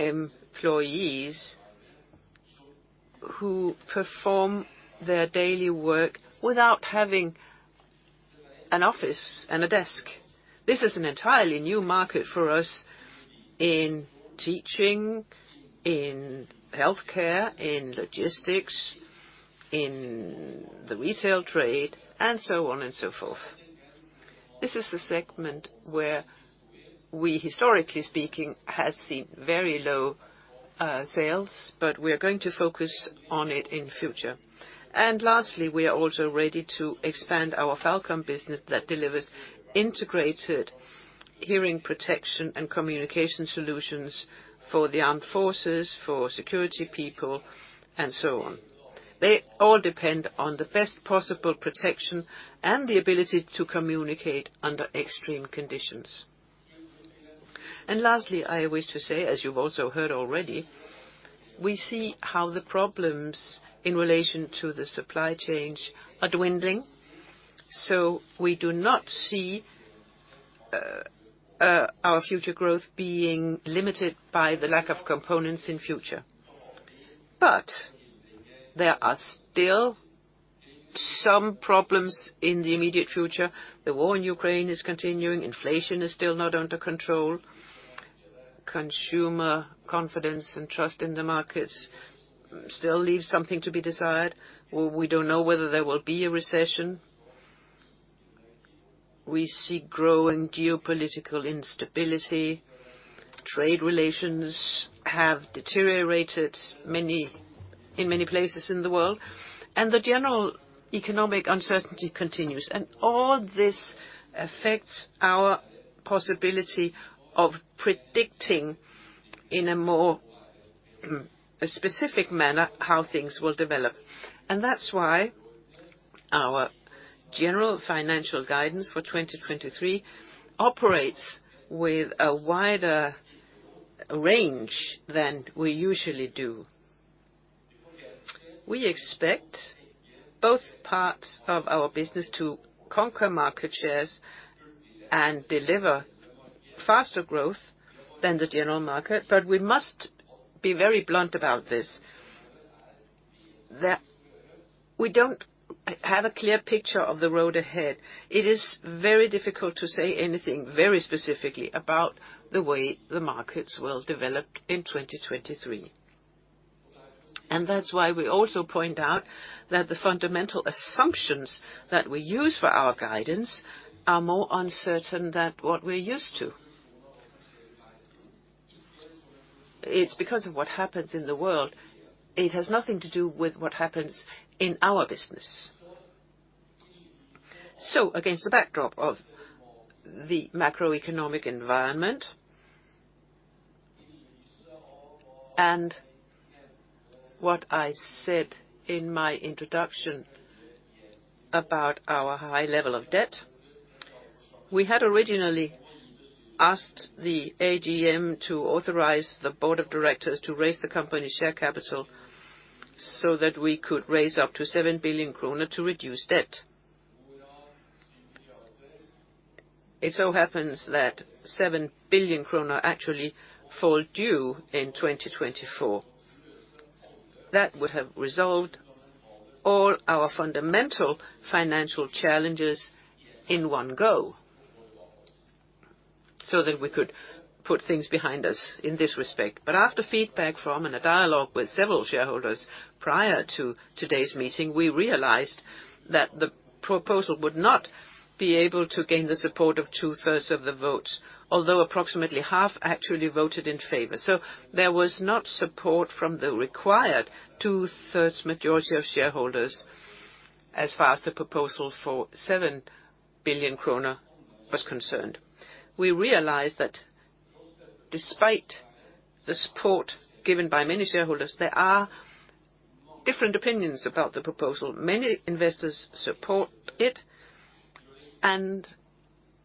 employees who perform their daily work without having an office and a desk. This is an entirely new market for us in teaching, in healthcare, in logistics, in the retail trade, and so on and so forth. This is the segment where we, historically speaking, has seen very low sales, but we're going to focus on it in future. Lastly, we are also ready to expand our FalCom business that delivers integrated hearing protection and communication solutions for the armed forces, for security people, and so on. They all depend on the best possible protection and the ability to communicate under extreme conditions. Lastly, I wish to say, as you've also heard already, we see how the problems in relation to the supply chains are dwindling, so we do not see our future growth being limited by the lack of components in future. There are still some problems in the immediate future. The war in Ukraine is continuing. Inflation is still not under control. Consumer confidence and trust in the markets still leaves something to be desired. We don't know whether there will be a recession. We see growing geopolitical instability. Trade relations have deteriorated in many places in the world, the general economic uncertainty continues. All this affects our possibility of predicting in a more specific manner how things will develop. That's why our general financial guidance for 2023 operates with a wider range than we usually do. We expect both parts of our business to conquer market shares and deliver faster growth than the general market. We must be very blunt about this, that we don't have a clear picture of the road ahead. It is very difficult to say anything very specifically about the way the markets will develop in 2023. That's why we also point out that the fundamental assumptions that we use for our guidance are more uncertain than what we're used to. It's because of what happens in the world. It has nothing to do with what happens in our business. Against the backdrop of the macroeconomic environment and what I said in my introduction about our high level of debt, we had originally asked the AGM to authorize the board of directors to raise the company share capital so that we could raise up to 7 billion kroner to reduce debt. It so happens that 7 billion kroner actually fall due in 2024. That would have resolved all our fundamental financial challenges in one go so that we could put things behind us in this respect. After feedback from, and a dialogue with several shareholders prior to today's meeting, we realized that the proposal would not be able to gain the support of two-thirds of the votes, although approximately half actually voted in favor. There was not support from the required two-thirds majority of shareholders as far as the proposal for 7 billion kroner was concerned. We realized that despite the support given by many shareholders, there are different opinions about the proposal. Many investors support it and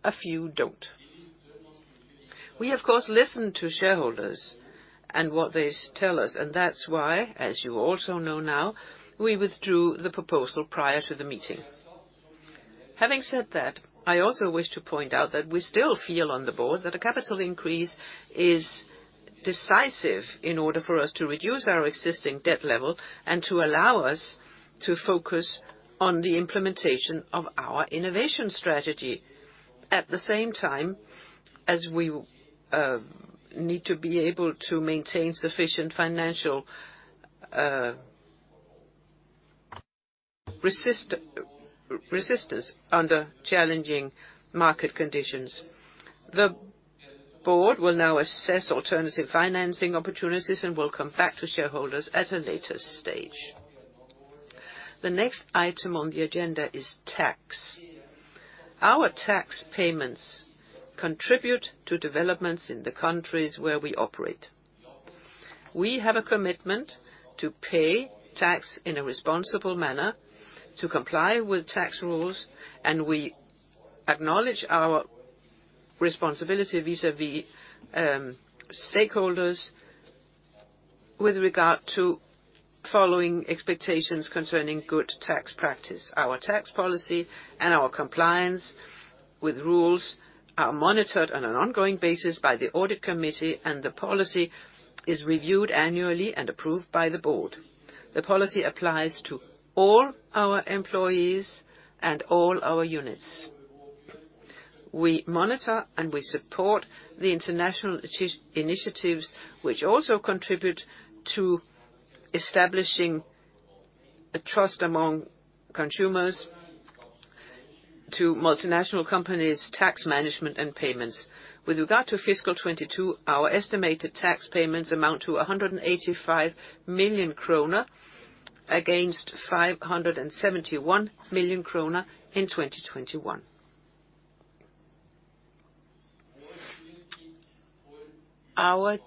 a few don't. We, of course, listen to shareholders and what they tell us, and that's why, as you also know now, we withdrew the proposal prior to the meeting. Having said that, I also wish to point out that we still feel on the board that a capital increase is decisive in order for us to reduce our existing debt level and to allow us to focus on the implementation of our innovation strategy. At the same time, as we need to be able to maintain sufficient financial resistance under challenging market conditions. The board will now assess alternative financing opportunities and will come back to shareholders at a later stage. The next item on the agenda is tax. Our tax payments contribute to developments in the countries where we operate. We have a commitment to pay tax in a responsible manner, to comply with tax rules, and we acknowledge our responsibility vis-à-vis stakeholders with regard to following expectations concerning good tax practice. Our tax policy and our compliance with rules are monitored on an ongoing basis by the audit committee, and the policy is reviewed annually and approved by the board. The policy applies to all our employees and all our units. We monitor and we support the international initiatives which also contribute to establishing a trust among consumers to multinational companies' tax management and payments. With regard to fiscal 2022, our estimated tax payments amount to 185 million kroner against 571 million kroner in 2021. Our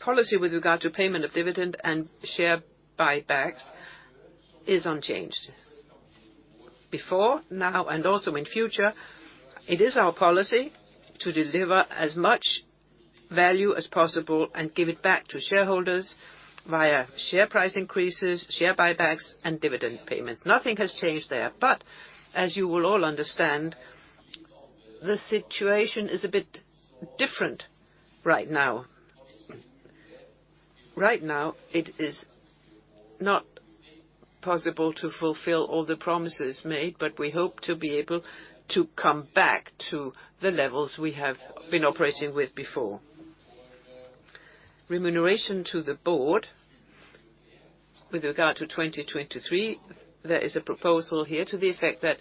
policy with regard to payment of dividend and share buybacks is unchanged. Before, now, and also in future, it is our policy to deliver as much value as possible and give it back to shareholders via share price increases, share buybacks, and dividend payments. Nothing has changed there, but as you will all understand, the situation is a bit different right now. Right now, it is not possible to fulfill all the promises made, but we hope to be able to come back to the levels we have been operating with before. Remuneration to the board with regard to 2023, there is a proposal here to the effect that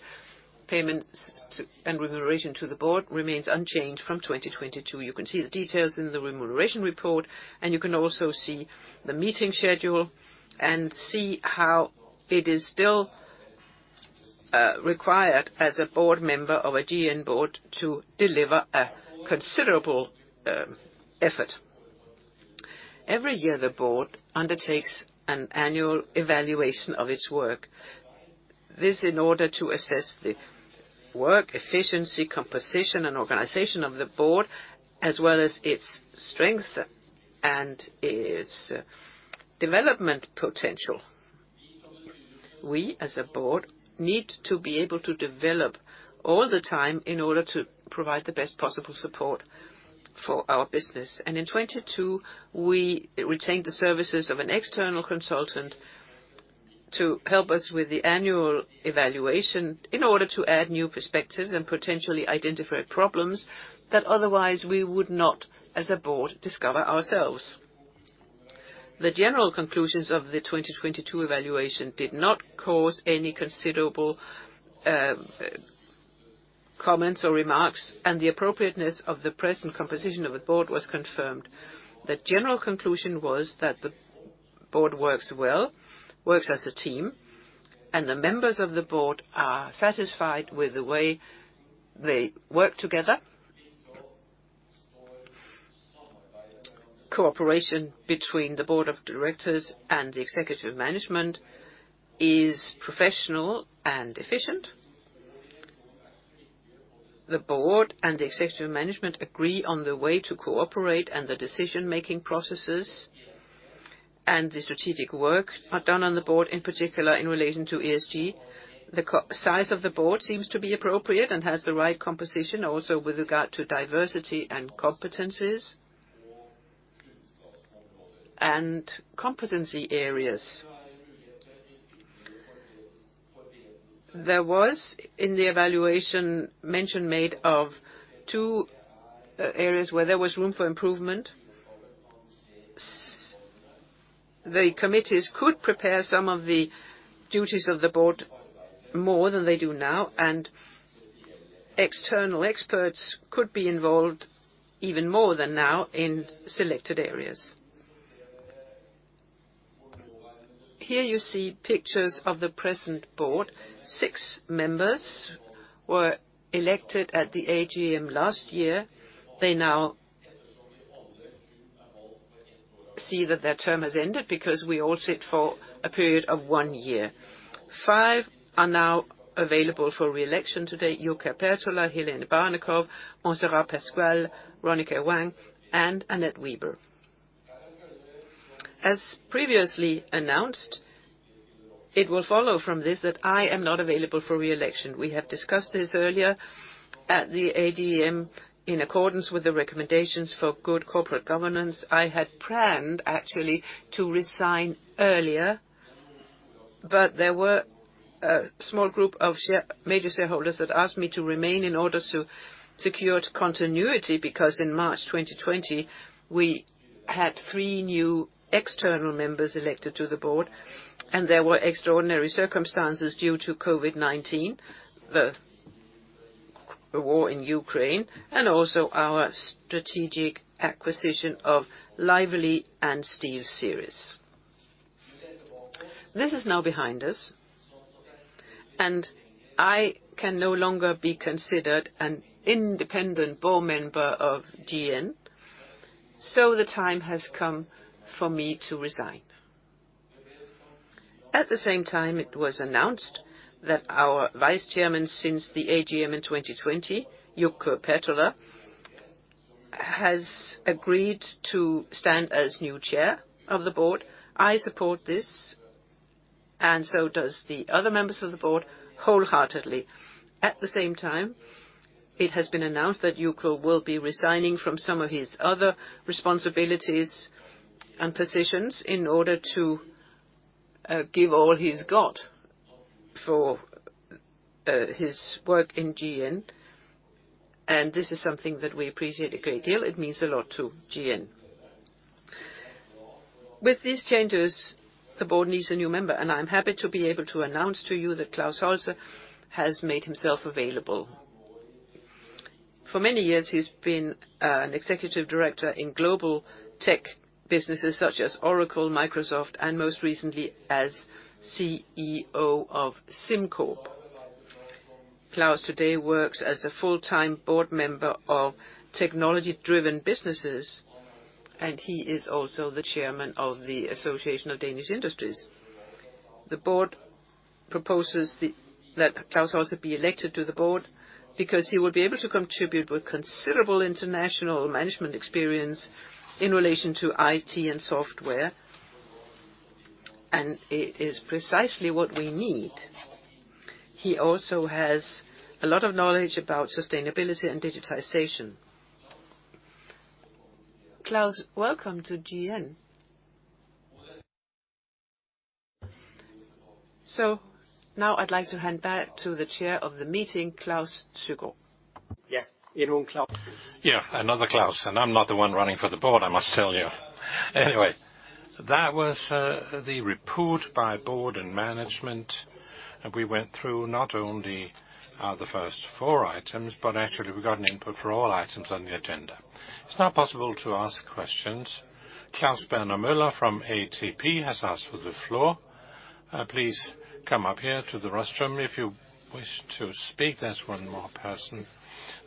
payments to, and remuneration to the board remains unchanged from 2022. You can see the details in the remuneration report, and you can also see the meeting schedule, and see how it is still required as a board member of a GN board to deliver a considerable effort. Every year, the board undertakes an annual evaluation of its work. This in order to assess the work, efficiency, composition, and organization of the board, as well as its strength and its development potential. We, as a board, need to be able to develop all the time in order to provide the best possible support for our business. In 2022, we retained the services of an external consultant to help us with the annual evaluation in order to add new perspectives and potentially identify problems that otherwise we would not, as a board, discover ourselves. The general conclusions of the 2022 evaluation did not cause any considerable comments or remarks, and the appropriateness of the present composition of the board was confirmed. The general conclusion was that the board works well, works as a team, and the members of the board are satisfied with the way they work together. Cooperation between the board of directors and the executive management is professional and efficient. The board and the executive management agree on the way to cooperate and the decision-making processes, the strategic work done on the board, in particular in relation to ESG. The size of the board seems to be appropriate and has the right composition also with regard to diversity and competencies. Competency areas. There was, in the evaluation, mention made of two areas where there was room for improvement. The committees could prepare some of the duties of the board more than they do now, external experts could be involved even more than now in selected areas. Here you see pictures of the present board. Six members were elected at the AGM last year. They now see that their term has ended because we all sit for a period of one year. Five are now available for re-election today: Jukka Pertola, Hélène Barnekow, Montserrat Pascual, Ronica Wang, and Anette Weber. As previously announced, it will follow from this that I am not available for re-election. We have discussed this earlier at the AGM in accordance with the recommendations for good corporate governance. I had planned actually to resign earlier, but there were a small group of major shareholders that asked me to remain in order to secure continuity, because in March 2020, we had three new external members elected to the board, and there were extraordinary circumstances due to COVID-19, the war in Ukraine, and also our strategic acquisition of Lively and SteelSeries. This is now behind us, and I can no longer be considered an independent board member of GN, so the time has come for me to resign. At the same time, it was announced that our Vice Chairman since the AGM in 2020, Jukka Pertola, has agreed to stand as new Chair of the Board. So does the other members of the Board wholeheartedly. At the same time, it has been announced that Jukka will be resigning from some of his other responsibilities and positions in order to give all he's got for his work in GN. This is something that we appreciate a great deal. It means a lot to GN. With these changes, the Board needs a new member. I'm happy to be able to announce to you that Klaus Holse has made himself available. For many years, he's been an Executive Director in global tech businesses such as Oracle, Microsoft, and most recently as CEO of SimCorp. Claus today works as a full-time board member of technology-driven businesses, and he is also the chairman of the Association of Danish Industry. The board proposes that Klaus Holse be elected to the board because he will be able to contribute with considerable international management experience in relation to IT and software, and it is precisely what we need. He also has a lot of knowledge about sustainability and digitization. Klaus, welcome to GN. Now I'd like to hand back to the chair of the meeting, Klaus Søgaard. Yeah, your own Klaus. Yeah, another Klaus, and I'm not the one running for the board, I must tell you. Anyway, that was the report by board and management. We went through not only the first four items, but actually we got an input for all items on the agenda. It's now possible to ask questions. Claus Berner Møller from ATP has asked for the floor. Please come up here to the rostrum if you wish to speak. There's one more person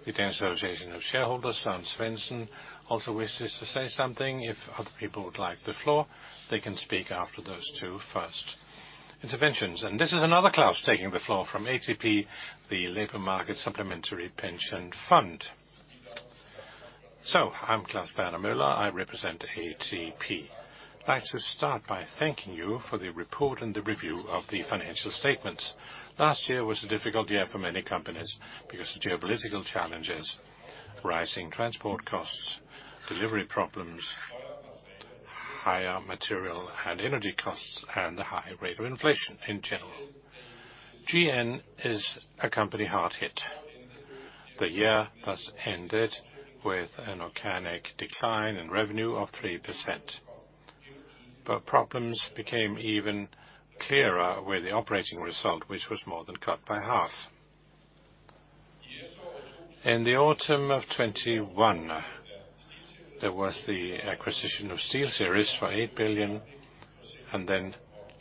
with the Association of Shareholders. Søren Svendsen also wishes to say something. If other people would like the floor, they can speak after those two first interventions. This is another Klaus taking the floor from ATP, the labor market supplementary pension fund. I'm Claus Berner Møller. I represent ATP. I'd like to start by thanking you for the report and the review of the financial statements. Last year was a difficult year for many companies because of geopolitical challenges, rising transport costs, delivery problems, higher material and energy costs, and the high rate of inflation in general. GN is a company hard hit. The year thus ended with an organic decline in revenue of 3%. Problems became even clearer with the operating result, which was more than cut by half. In the autumn of 2021, there was the acquisition of SteelSeries for 8 billion.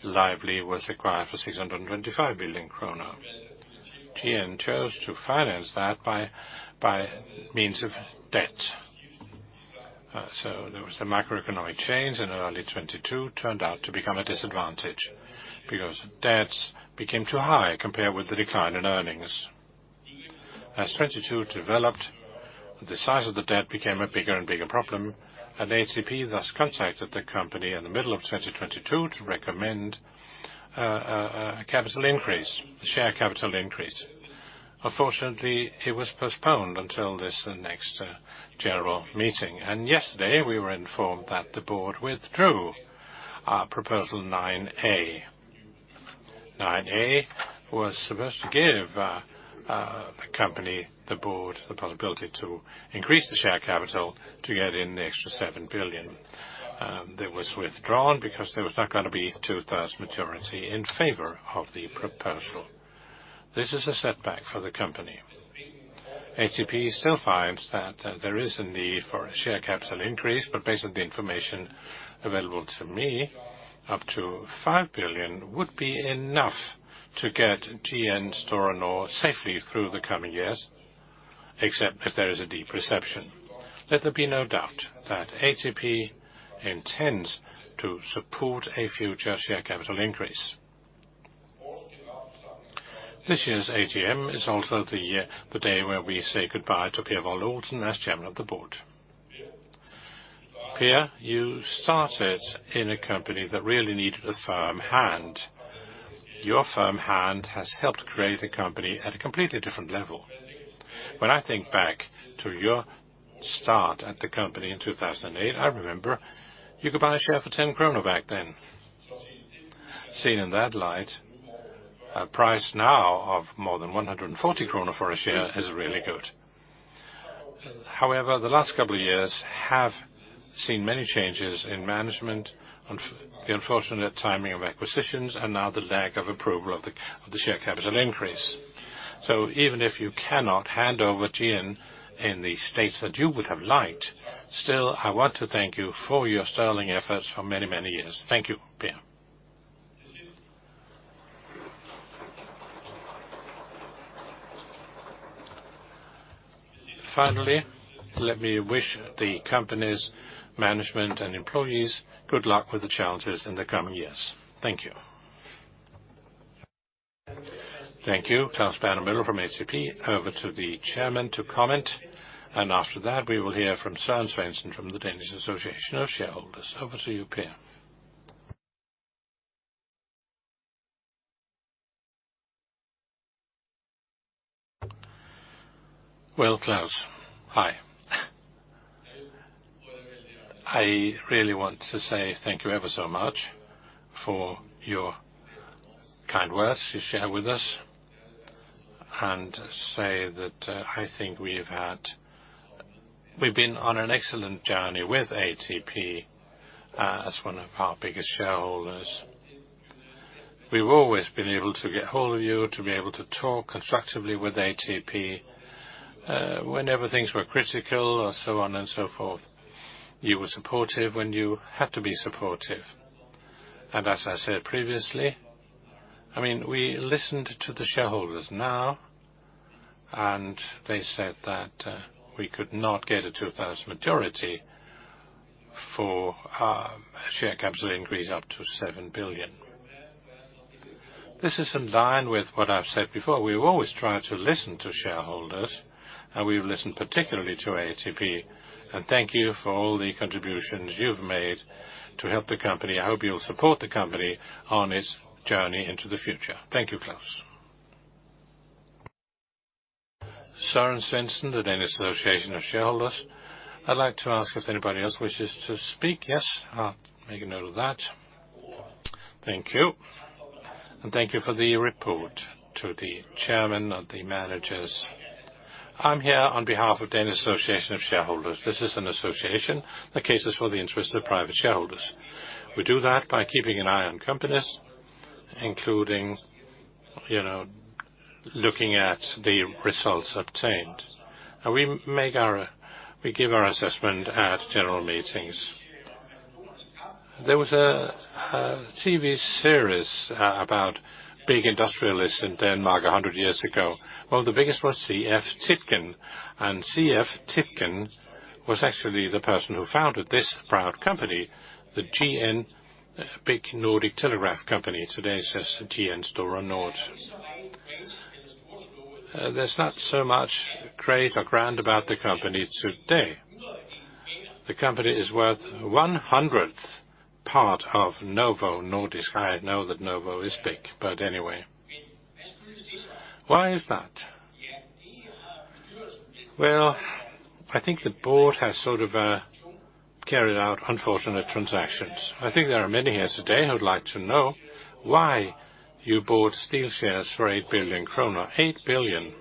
Lively was acquired for 625 billion kroner. GN chose to finance that by means of debt. There was the macroeconomic change in early 2022, turned out to become a disadvantage because debts became too high compared with the decline in earnings. As 2022 developed, the size of the debt became a bigger and bigger problem, ATP thus contacted the company in the middle of 2022 to recommend a capital increase, share capital increase. Unfortunately, it was postponed until the next general meeting. Yesterday, we were informed that the board withdrew our proposal 9A. 9A was supposed to give the company, the board, the possibility to increase the share capital to get in the extra 7 billion, that was withdrawn because there was not gonna be two-thirds majority in favor of the proposal. This is a setback for the company. ATP still finds that there is a need for a share capital increase, based on the information available to me, up to 5 billion would be enough to get GN Store Nord safely through the coming years, except if there is a deep recession. Let there be no doubt that ATP intends to support a future share capital increase. This year's AGM is also the day where we say goodbye to Per Wold-Olsen as chairman of the board. Per, you started in a company that really needed a firm hand. Your firm hand has helped create the company at a completely different level. When I think back to your start at the company in 2008, I remember you could buy a share for 10 kroner back then. Seen in that light, a price now of more than 140 krone for a share is really good. The last couple of years have seen many changes in management, unfortunate timing of acquisitions, and now the lack of approval of the, of the share capital increase. Even if you cannot hand over GN in the state that you would have liked, still, I want to thank you for your sterling efforts for many, many years. Thank you, Per. Let me wish the company's management and employees good luck with the challenges in the coming years. Thank you. Thank you, Claus Berner Møller from ATP. Over to the chairman to comment. After that, we will hear from Søren Svendsen from the Danish Association of Shareholders. Over to you, Per. Claus, hi. I really want to say thank you ever so much for your kind words you share with us, and say that I think we've been on an excellent journey with ATP, as one of our biggest shareholders. We've always been able to get a hold of you to be able to talk constructively with ATP, whenever things were critical or so on and so forth. You were supportive when you had to be supportive. As I said previously, I mean, we listened to the shareholders now, and they said that we could not get a two-thirds majority for our share capital increase up to 7 billion. This is in line with what I've said before. We've always tried to listen to shareholders, and we've listened particularly to ATP. Thank you for all the contributions you've made to help the company. I hope you'll support the company on its journey into the future. Thank you, Claus. Søren Svendsen, the Danish Association of Shareholders. I'd like to ask if anybody else wishes to speak. Yes. I'll make a note of that. Thank you. Thank you for the report to the chairman of the managers. I'm here on behalf of Danish Association of Shareholders. This is an association that cases for the interest of private shareholders. We do that by keeping an eye on companies, including, you know, looking at the results obtained. We give our assessment at general meetings. There was a TV series about big industrialists in Denmark 100 years ago. One of the biggest was C.F. Tietgen. C.F. Tietgen was actually the person who founded this proud company, the GN, Great Northern Telegraph Company. Today says GN Store Nord. There's not so much great or grand about the company today. The company is worth 100th part of Novo Nordisk. I know that Novo is big, but anyway. Why is that? Well, I think the board has sort of carried out unfortunate transactions. I think there are many here today who would like to know why you bought SteelSeries for 8 billion krone. 8 billion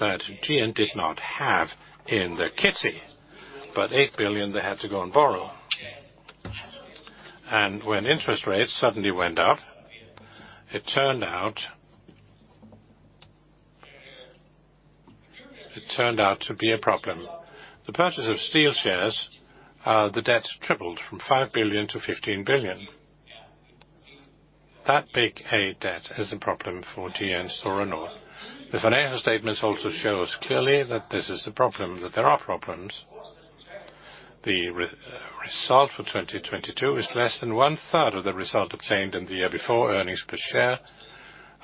that GN did not have in the kitty, but 8 billion they had to go and borrow. When interest rates suddenly went up, it turned out to be a problem. The purchase of SteelSeries, the debt tripled from 5 billion to 15 billion. That big a debt is a problem for GN Store Nord. The financial statements also show us clearly that this is a problem, that there are problems. The result for 2022 is less than 1/3 of the result obtained in the year before. Earnings per share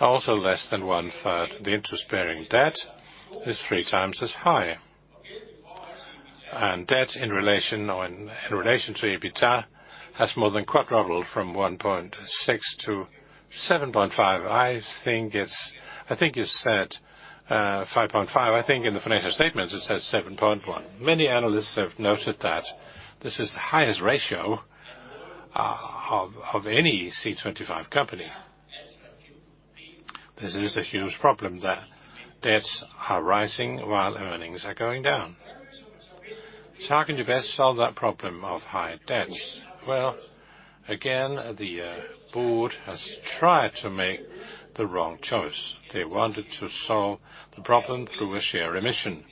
are also less than 1/3. The interest-bearing debt is 3x as high. Debt in relation to EBITDA has more than quadrupled from 1.6x to 7.5x. I think you said 5.5x. I think in the financial statements, it says 7.1x. Many analysts have noted that this is the highest ratio of any C25 company. This is a huge problem that debts are rising while earnings are going down. How can you best solve that problem of high debts? Again, the board has tried to make the wrong choice. They wanted to solve the problem through a share emission.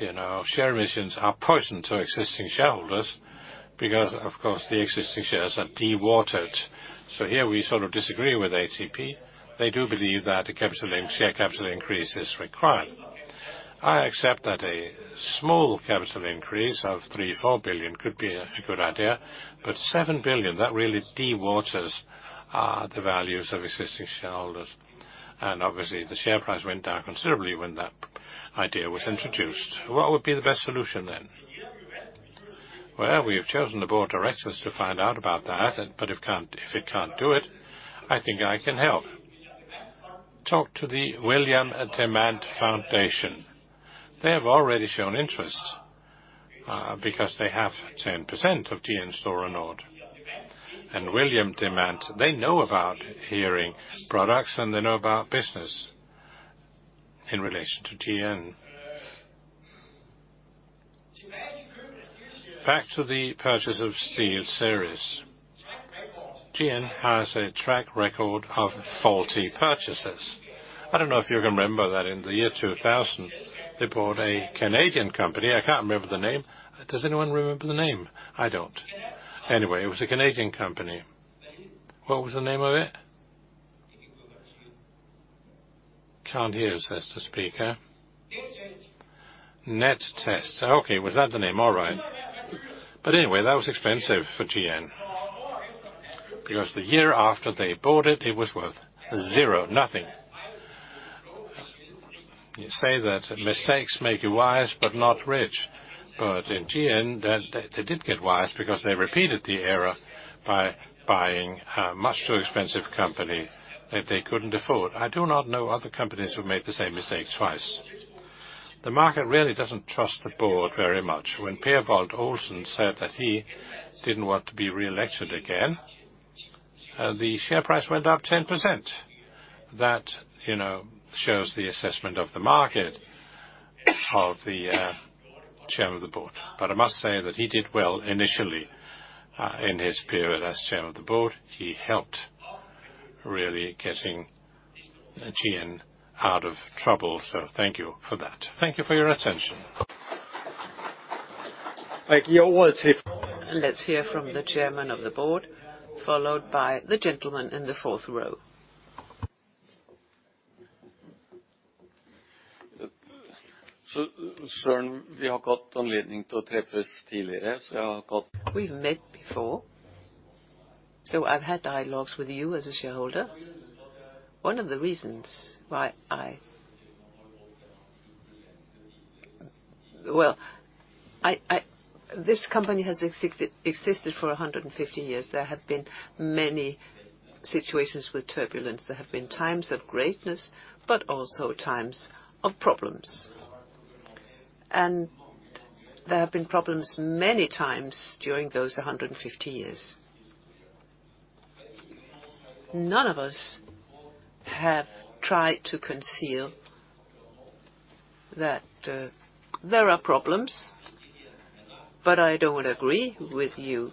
You know, share emissions are poison to existing shareholders because of course, the existing shares are dewatered. Here we sort of disagree with ATP. They do believe that a share capital increase is required. I accept that a small capital increase of 3 billion, 4 billion could be a good idea, but 7 billion, that really dewaters the values of existing shareholders. Obviously, the share price went down considerably when that idea was introduced. What would be the best solution then? We have chosen the Board of Directors to find out about that, but if it can't do it, I think I can help. Talk to the William Demant Foundation. They have already shown interest because they have 10% of GN Store Nord. William Demant, they know about hearing products, and they know about business in relation to GN. Back to the purchase of SteelSeries. GN has a track record of faulty purchases. I don't know if you can remember that in the year 2000, they bought a Canadian company. I can't remember the name. Does anyone remember the name? I don't. Anyway, it was a Canadian company. What was the name of it? Can't hear. GN NetTest. GN NetTest. Okay. Was that the name? All right. Anyway, that was expensive for GN because the year after they bought it was worth zero, nothing. You say that mistakes make you wise but not rich. In GN, they did get wise because they repeated the error by buying a much too expensive company that they couldn't afford. I do not know other companies who made the same mistake twice. The market really doesn't trust the board very much. When Per Wold-Olsen said that he didn't want to be re-elected again, the share price went up 10%. That, you know, shows the assessment of the market of the Chairman of the Board. I must say that he did well initially, in his period as Chairman of the Board. He helped really getting GN out of trouble. Thank you for that. Thank you for your attention. Let's hear from the chairman of the board, followed by the gentleman in the fourth row. Søren, we have got an leading to a three first delivery. We've met before, so I've had dialogues with you as a shareholder. Well, I, this company has existed for 150 years. There have been many situations with turbulence. There have been times of greatness, but also times of problems. There have been problems many times during those 150 years. None of us have tried to conceal that there are problems, but I don't agree with you,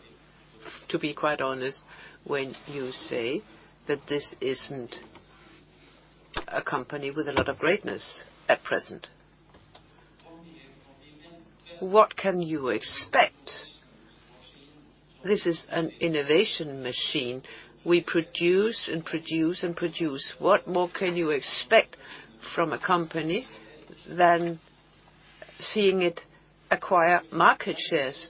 to be quite honest, when you say that this isn't a company with a lot of greatness at present. What can you expect? This is an innovation machine. We produce, and produce, and produce. What more can you expect from a company than seeing it acquire market shares?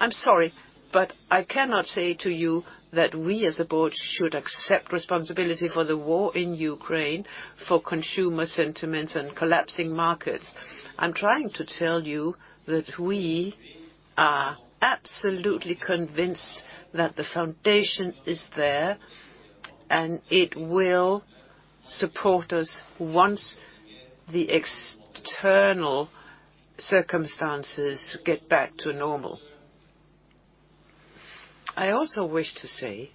I'm sorry, but I cannot say to you that we, as a board, should accept responsibility for the war in Ukraine, for consumer sentiments and collapsing markets. I'm trying to tell you that we are absolutely convinced that the foundation is there, and it will support us once the external circumstances get back to normal. I also wish to say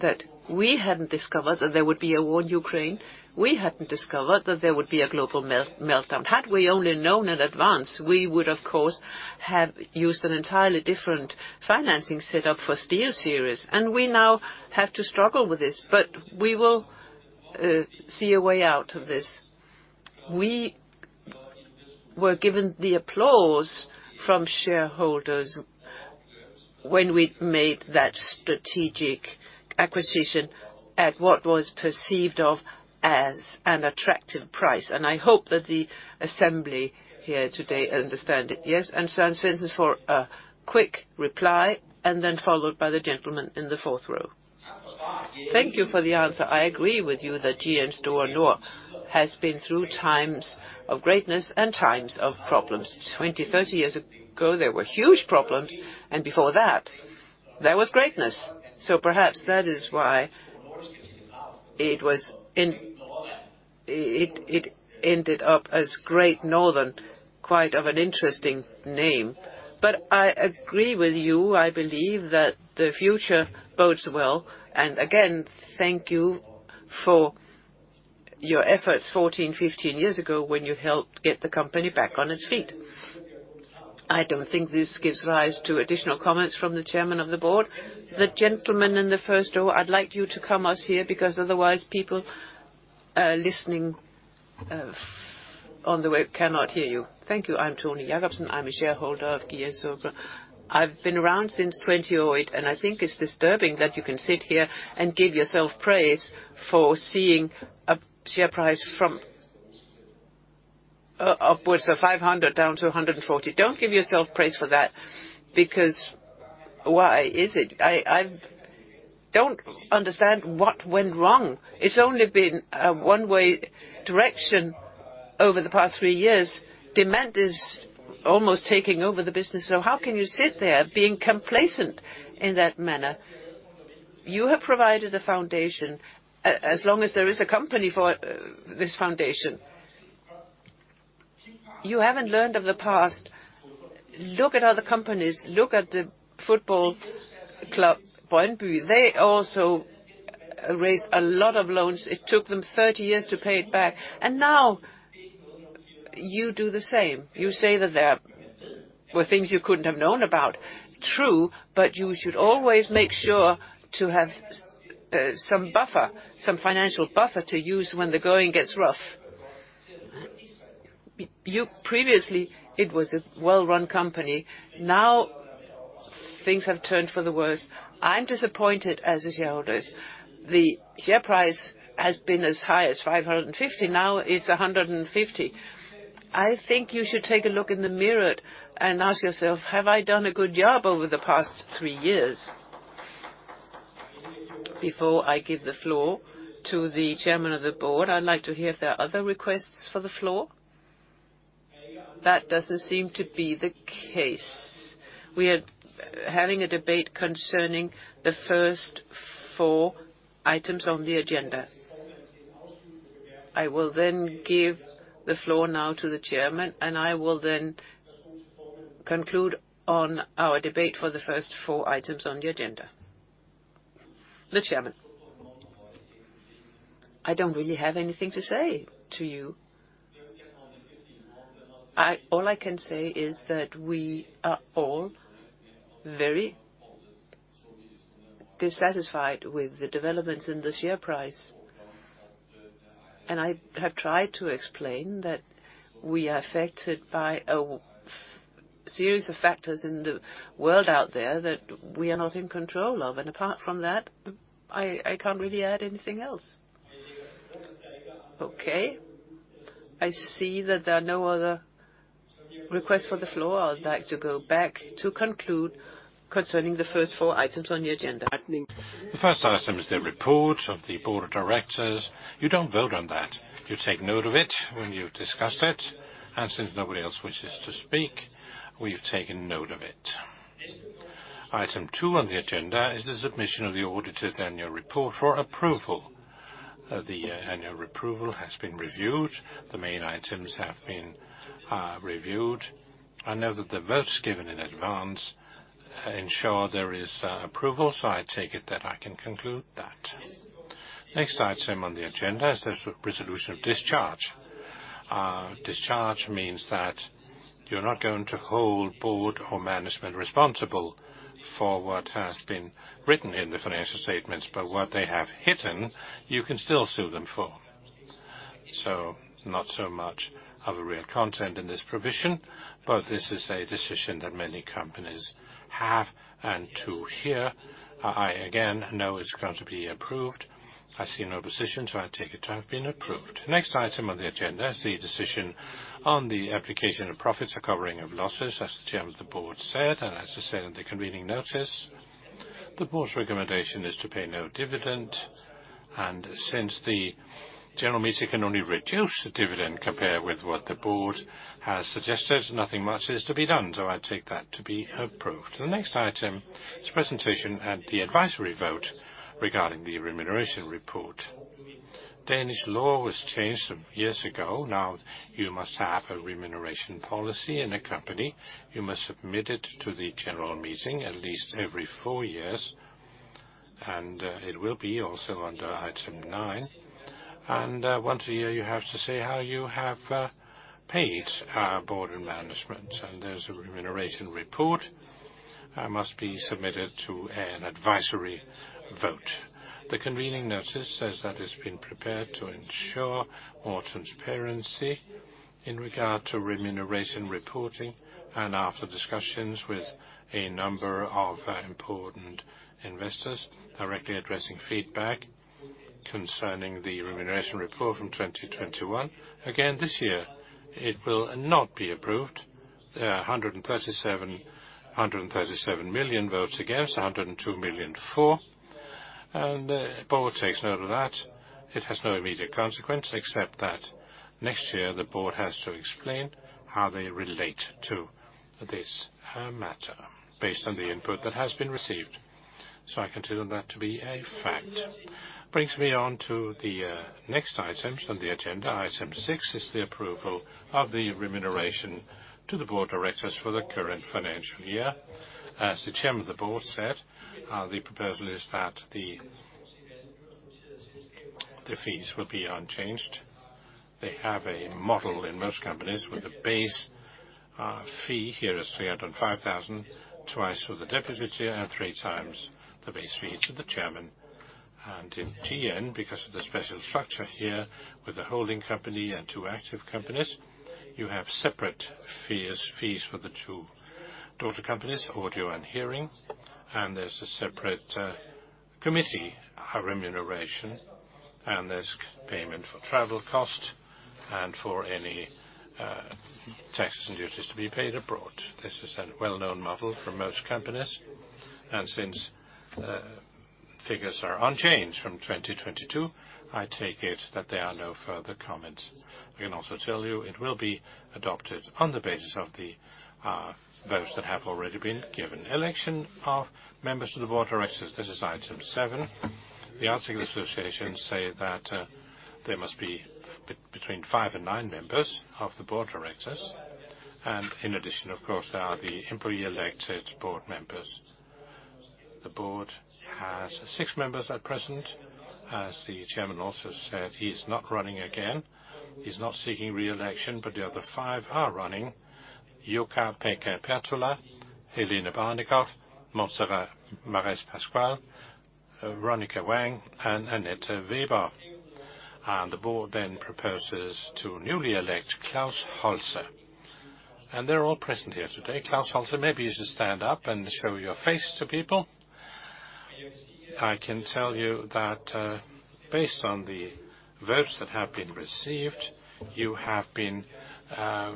that we hadn't discovered that there would be a war in Ukraine. We hadn't discovered that there would be a global meltdown. Had we only known in advance, we would, of course, have used an entirely different financing setup for SteelSeries, and we now have to struggle with this. We will see a way out of this. We were given the applause from shareholders when we made that strategic acquisition at what was perceived of as an attractive price, I hope that the assembly here today understand it. Yes, Søren Svendsen for a quick reply, then followed by the gentleman in the fourth row. Thank you for the answer. I agree with you that GN Store Nord has been through times of greatness and times of problems. 20, 30 years ago, there were huge problems, before that, there was greatness. Perhaps that is why it ended up as Great Northern, quite of an interesting name. I agree with you. I believe that the future bodes well, again, thank you for your efforts 14, 15 years ago when you helped get the company back on its feet. I don't think this gives rise to additional comments from the chairman of the board. The gentleman in the first row, I'd like you to come us here, because otherwise people listening on the web cannot hear you. Thank you. I'm Tony Jakobsen. I'm a shareholder of GN Store. I've been around since 2000. I think it's disturbing that you can sit here and give yourself praise for seeing a share price from upwards of 500 down to 140. Don't give yourself praise for that, because why is it? I don't understand what went wrong. It's only been a one-way direction over the past three years. Demant is almost taking over the business. How can you sit there being complacent in that manner? You have provided a foundation, as long as there is a company for this foundation. You haven't learned of the past. Look at other companies. Look at the football club, Brøndby. They also raised a lot of loans. It took them 30 years to pay it back. You do the same. You say that there were things you couldn't have known about. True, you should always make sure to have some buffer, some financial buffer to use when the going gets rough. Previously, it was a well-run company. Things have turned for the worse. I'm disappointed as a shareholder. The share price has been as high as 550. It's 150. I think you should take a look in the mirror and ask yourself, "Have I done a good job over the past three years?" Before I give the floor to the chairman of the board, I'd like to hear if there are other requests for the floor. That doesn't seem to be the case. We are having a debate concerning the first four items on the agenda. I will then give the floor now to the chairman, and I will then conclude on our debate for the first four items on the agenda. The chairman. I don't really have anything to say to you. All I can say is that we are all very dissatisfied with the developments in the share price. I have tried to explain that we are affected by a series of factors in the world out there that we are not in control of. Apart from that, I can't really add anything else. Okay. I see that there are no other requests for the floor. I'd like to go back to conclude concerning the first four items on the agenda. The first item is the report of the board of directors. You don't vote on that. You take note of it when you've discussed it, and since nobody else wishes to speak, we've taken note of it. Item two on the agenda is the submission of the audited annual report for approval. The annual approval has been reviewed, the main items have been reviewed. I know that the votes given in advance ensure there is approval, so I take it that I can conclude that. Next item on the agenda is the resolution of discharge. Discharge means that you're not going to hold board or management responsible for what has been written in the financial statements, but what they have hidden, you can still sue them for. Not so much of a real content in this provision, but this is a decision that many companies have. To here, I again know it's going to be approved. I see no opposition, so I take it to have been approved. The next item on the agenda is the decision on the application of profits or covering of losses, as the chairman of the board said, as I said in the convening notice. The board's recommendation is to pay no dividend. Since the general meeting can only reduce the dividend compared with what the board has suggested, nothing much is to be done. I take that to be approved. The next item is presentation at the advisory vote regarding the remuneration report. Danish law was changed some years ago. Now, you must have a remuneration policy in a company. You must submit it to the general meeting at least every four years, it will be also under item nine. Once a year, you have to say how you have paid our board and management, and there's a remuneration report that must be submitted to an advisory vote. The convening notice says that it's been prepared to ensure more transparency in regard to remuneration reporting. After discussions with a number of important investors directly addressing feedback concerning the remuneration report from 2021, again, this year, it will not be approved. There are 137 million votes against, 102 million for, the board takes note of that. It has no immediate consequence, except that next year, the board has to explain how they relate to this matter based on the input that has been received. I consider that to be a fact. Brings me on to the next items on the agenda. Item six is the approval of the remuneration to the Board of Directors for the current financial year. As the Chairman of the Board said, the proposal is that the fees will be unchanged. They have a model in most companies with a base fee, here is 305,000, twice for the Deputy and three times the base fee to the Chairman. In GN, because of the special structure here with the holding company and two active companies, you have separate fees for the two daughter companies, Audio and Hearing. There's a separate committee remuneration, and there's payment for travel cost and for any taxes and duties to be paid abroad. This is a well-known model for most companies. Since figures are unchanged from 2022, I take it that there are no further comments. I can also tell you it will be adopted on the basis of the votes that have already been given. Election of members to the board of directors. This is item seven. The article associations say that there must be between five and nine members of the board of directors. In addition, of course, there are the employee elected board members. The board has six members at present. As the chairman also said, he's not running again. He's not seeking re-election, but the other five are running. Jukka Pekka Pertola, Hélène Barnekow, Montserrat Maresch Pascual, Ronica Wang, and Anette Weber. The board then proposes to newly elect Klaus Holse. They're all present here today. Klaus Holse, maybe you should stand up and show your face to people. I can tell you that, based on the votes that have been received, you have been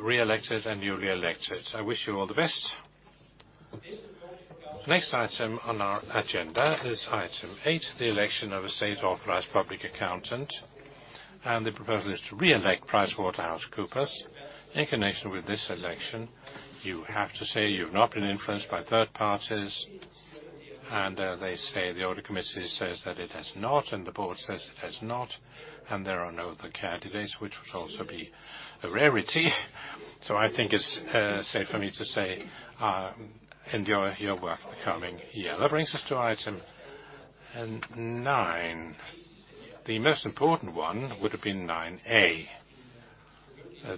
re-elected and newly elected. I wish you all the best. The next item on our agenda is item eight, the election of a state authorized public accountant, the proposal is to re-elect PricewaterhouseCoopers. In connection with this election, you have to say you've not been influenced by third parties. They say, the audit committee says that it has not, and the board says it has not. There are no other candidates, which would also be a rarity. I think it's safe for me to say, enjoy your work coming year. That brings us to item nine. The most important one would have been 9.a,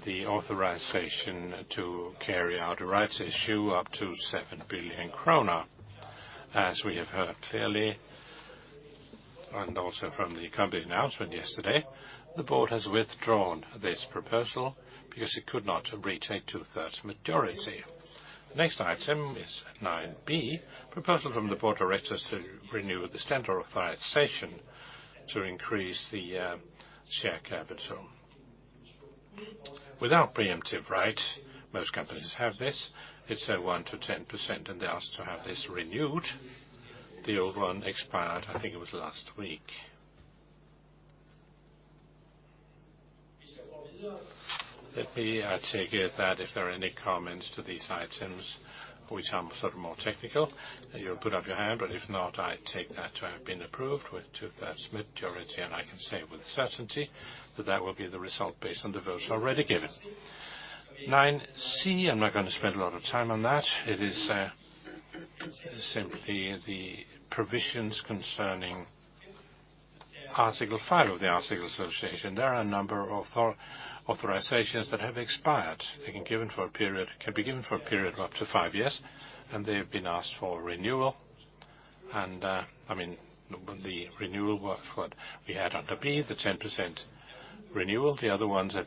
the authorization to carry out a rights issue up to 7 billion kroner. As we have heard clearly, and also from the company announcement yesterday, the board has withdrawn this proposal because it could not retain 2/3 majority. The next item is 9.b, proposal from the board of directors to renew the standard authorization to increase the share capital. Without preemptive right, most companies have this. It's 1%-10%, they ask to have this renewed. The old one expired, I think it was last week. Let me take it that if there are any comments to these items which are sort of more technical, you'll put up your hand. If not, I take that to have been approved with 2/3 majority. I can say with certainty that that will be the result based on the votes already given. 9.c, I'm not gonna spend a lot of time on that. It is simply the provisions concerning Article 5 of the Article of Association. There are a number of authorizations that have expired and can be given for a period of up to five years, they've been asked for renewal. I mean, the renewal was what we had under B, the 10% renewal. The other ones have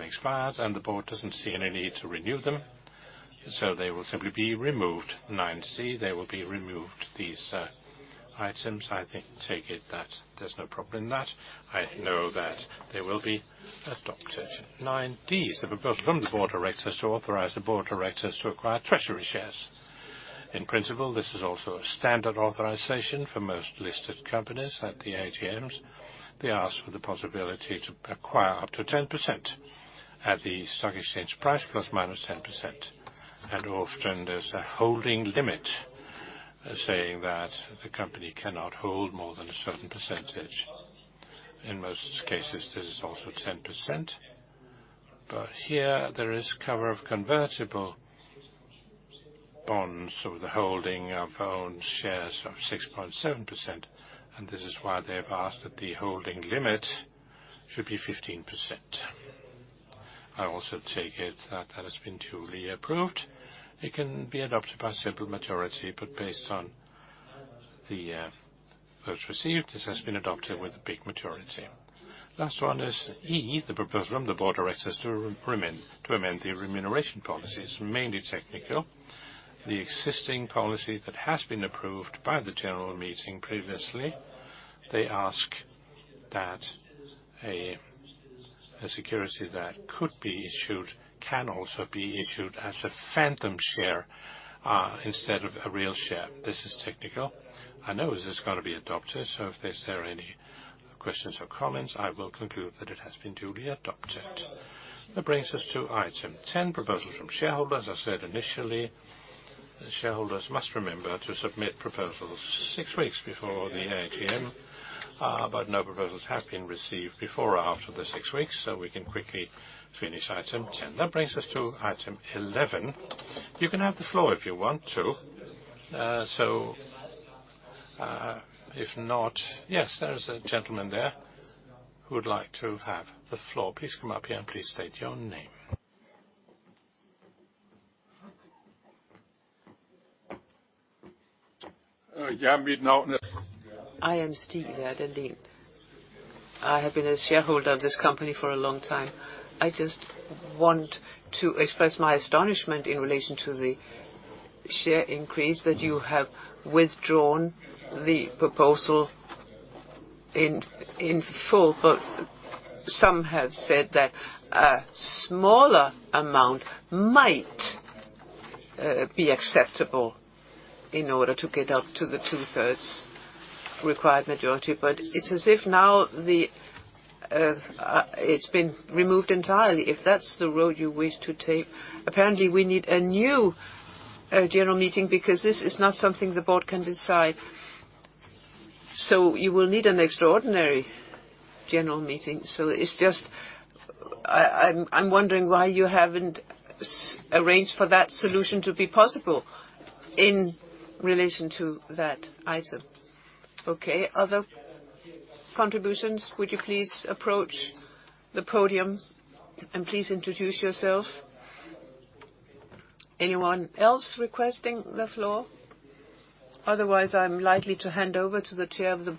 expired, the board doesn't see any need to renew them. They will simply be removed. 9.c, they will be removed, these items. I think, take it that there's no problem in that. I know that they will be adopted. 9.d Is the proposal from the board of directors to authorize the board of directors to acquire treasury shares. In principle, this is also a standard authorization for most listed companies at the AGMs. They ask for the possibility to acquire up to 10% at the stock exchange price ±10%. Often, there's a holding limit saying that the company cannot hold more than a certain percentage. In most cases, this is also 10%. Here, there is cover of convertible bonds or the holding of own shares of 6.7%. This is why they've asked that the holding limit should be 15%. I also take it that that has been duly approved. It can be adopted by simple majority. Based on the votes received, this has been adopted with a big majority. Last one is E, the proposal from the board of directors to amend the remuneration policy. It's mainly technical. The existing policy that has been approved by the general meeting previously, they ask that a security that could be issued can also be issued as a phantom share instead of a real share. This is technical. I know this is gonna be adopted, so if there's any questions or comments, I will conclude that it has been duly adopted. Brings us to item 10, proposals from shareholders. I said initially, shareholders must remember to submit proposals six weeks before the AGM, but no proposals have been received before or after the six weeks, so we can quickly finish item 10. Brings us to item 11. You can have the floor if you want to. If not, yes, there is a gentleman there who would like to have the floor. Please come up here and please state your name. Yeah, me. I am Stig Werdelin. I have been a shareholder of this company for a long time. I just want to express my astonishment in relation to the share increase that you have withdrawn the proposal in full, but some have said that a smaller amount might be acceptable in order to get up to the two-thirds required majority. It's as if now it's been removed entirely. If that's the road you wish to take, apparently we need a new general meeting because this is not something the board can decide. You will need an extraordinary general meeting. It's just. I'm wondering why you haven't arranged for that solution to be possible in relation to that item. Okay. Other contributions, would you please approach the podium, and please introduce yourself. Anyone else requesting the floor? Otherwise, I'm likely to hand over to the chair of the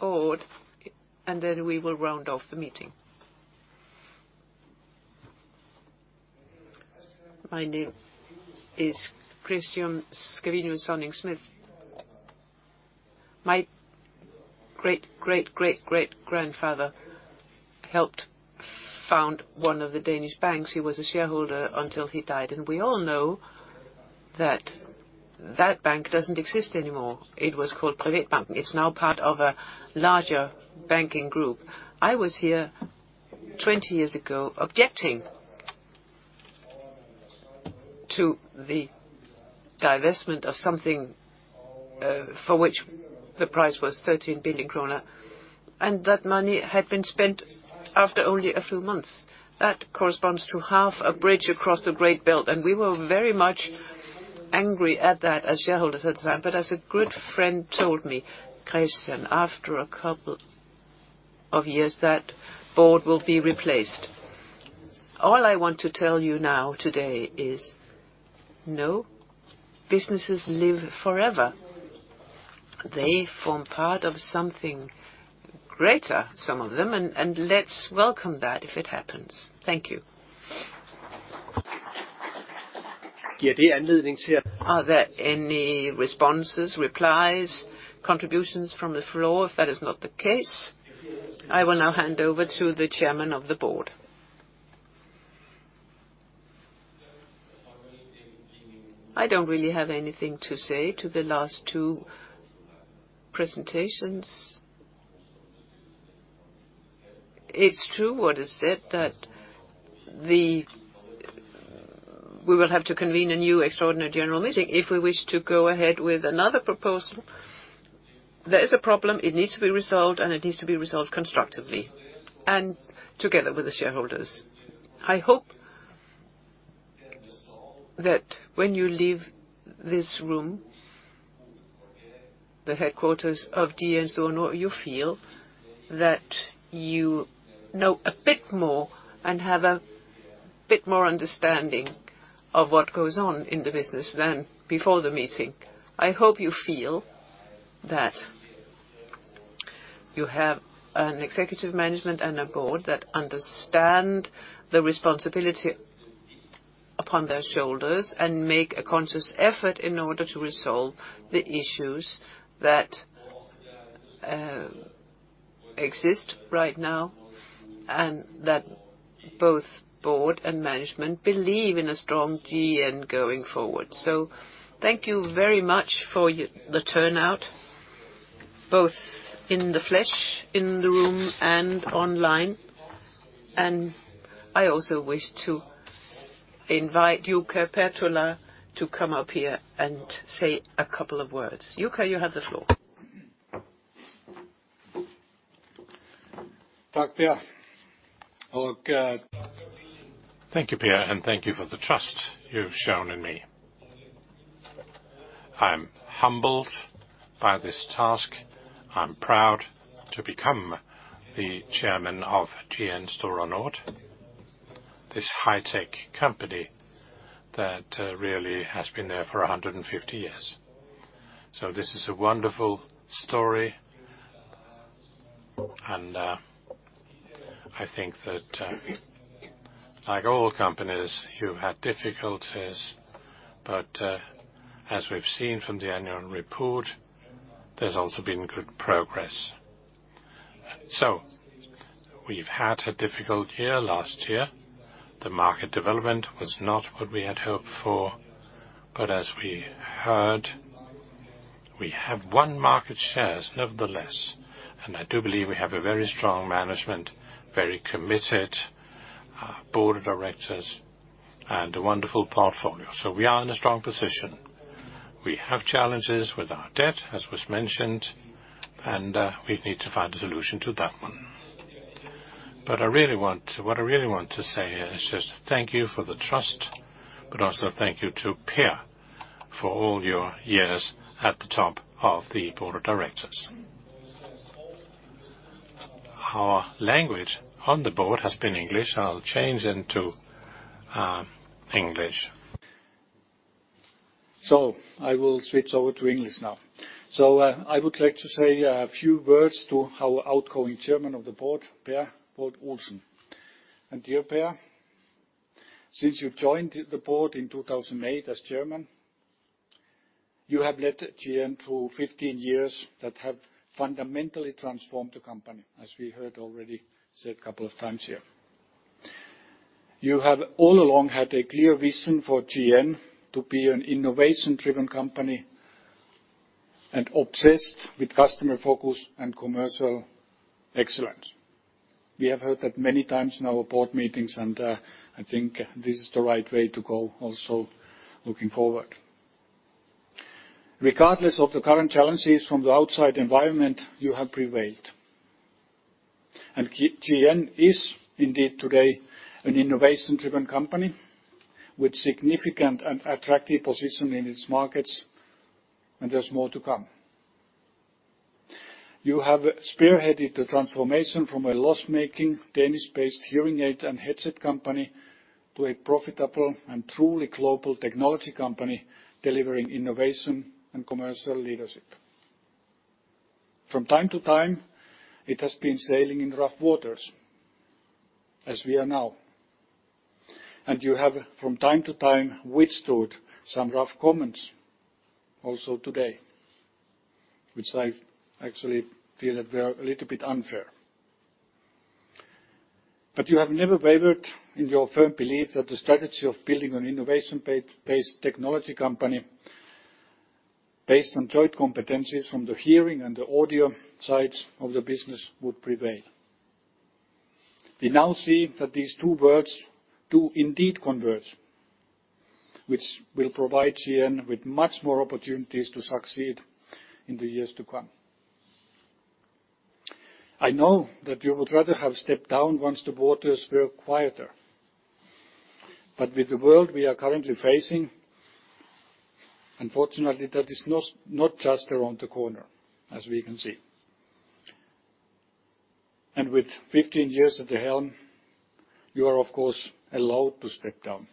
board, and then we will round off the meeting. My name is Christian Scavenius Dunning-Smith. My great-great-great-great-grandfather helped found one of the Danish banks. He was a shareholder until he died. We all know that that bank doesn't exist anymore. It was called Privatbanken. It's now part of a larger banking group. I was here 20 years ago objecting to the divestment of something for which the price was 13 billion kroner, and that money had been spent after only a few months. That corresponds to half a bridge across the Great Belt, and we were very much angry at that as shareholders at the time. As a good friend told me, "Christian, after a couple of years, that board will be replaced." All I want to tell you now today is, no businesses live forever. They form part of something greater, some of them, and let's welcome that if it happens. Thank you. Are there any responses, replies, contributions from the floor? If that is not the case, I will now hand over to the chairman of the board. I don't really have anything to say to the last two presentations. It's true what is said that we will have to convene a new extraordinary general meeting if we wish to go ahead with another proposal. There is a problem, it needs to be resolved, and it needs to be resolved constructively and together with the shareholders. I hope that when you leave this room, the headquarters of GN Store Nord, you feel that you know a bit more and have a bit more understanding of what goes on in the business than before the meeting. I hope you feel that you have an executive management and a board that understand the responsibility upon their shoulders and make a conscious effort in order to resolve the issues that exist right now, and that both board and management believe in a strong GN going forward. Thank you very much for the turnout, both in the flesh in the room and online. I also wish to invite Jukka Pertola to come up here and say a couple of words. Jukka, you have the floor. Thank you, Per. Thank you for the trust you've shown in me. I'm humbled by this task. I'm proud to become the chairman of GN Store Nord, this high-tech company that really has been there for 150 years. This is a wonderful story, and I think that like all companies, you've had difficulties, but as we've seen from the annual report, there's also been good progress. We've had a difficult year last year. The market development was not what we had hoped for, but as we heard, we have won market shares nevertheless. I do believe we have a very strong management, very committed board of directors, and a wonderful portfolio. We are in a strong position. We have challenges with our debt, as was mentioned, and we need to find a solution to that one. What I really want to say is just thank you for the trust, but also thank you to Per for all your years at the top of the board of directors. Our language on the board has been English. I'll change into English. I will switch over to English now. I would like to say a few words to our outgoing chairman of the board, Per Wold-Olsen. Dear Per, since you've joined the board in 2008 as chairman, you have led GN through 15 years that have fundamentally transformed the company, as we heard already said a couple of times here. You have all along had a clear vision for GN to be an innovation-driven company and obsessed with customer focus and commercial excellence. We have heard that many times in our board meetings, and I think this is the right way to go also looking forward. Regardless of the current challenges from the outside environment, you have prevailed. GN is indeed today an innovation-driven company with significant and attractive position in its markets, and there's more to come. You have spearheaded the transformation from a loss-making Danish-based hearing aid and headset company to a profitable and truly global technology company delivering innovation and commercial leadership. From time to time, it has been sailing in rough waters, as we are now. You have, from time to time, withstood some rough comments, also today, which I actually feel that they are a little bit unfair. You have never wavered in your firm belief that the strategy of building an innovation-based technology company based on joint competencies from the hearing and the audio sides of the business would prevail. We now see that these two worlds do indeed converge, which will provide GN with much more opportunities to succeed in the years to come. I know that you would rather have stepped down once the waters were quieter. With the world we are currently facing, unfortunately, that is not just around the corner, as we can see. With 15 years at the helm, you are, of course, allowed to step down.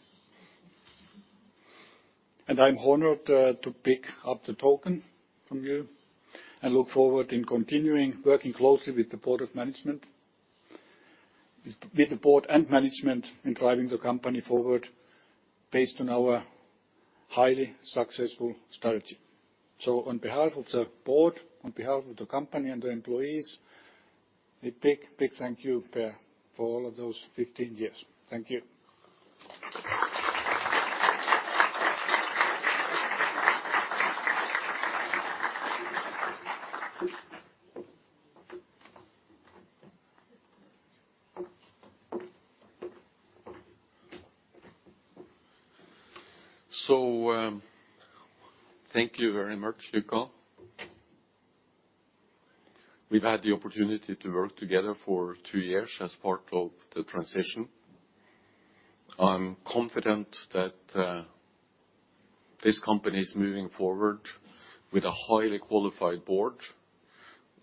I'm honored to pick up the token from you and look forward in continuing working closely with the board of management, with the board and management in driving the company forward based on our highly successful strategy. On behalf of the board, on behalf of the company and the employees, a big thank you, Per, for all of those 15 years. Thank you. Thank you very much, Jukka. We've had the opportunity to work together for two years as part of the transition. I'm confident that this company is moving forward with a highly qualified board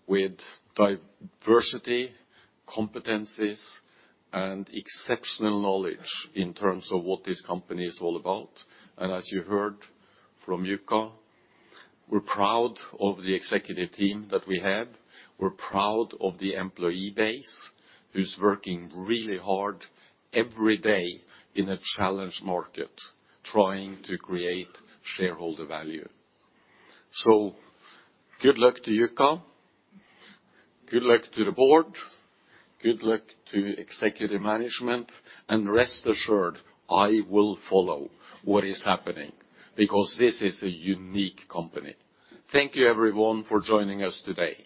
with diversity, competencies, and exceptional knowledge in terms of what this company is all about. As you heard from Jukka, we're proud of the executive team that we have. We're proud of the employee base who's working really hard every day in a challenged market trying to create shareholder value. Good luck to Jukka, good luck to the board, good luck to executive management, and rest assured I will follow what is happening because this is a unique company. Thank you, everyone, for joining us today.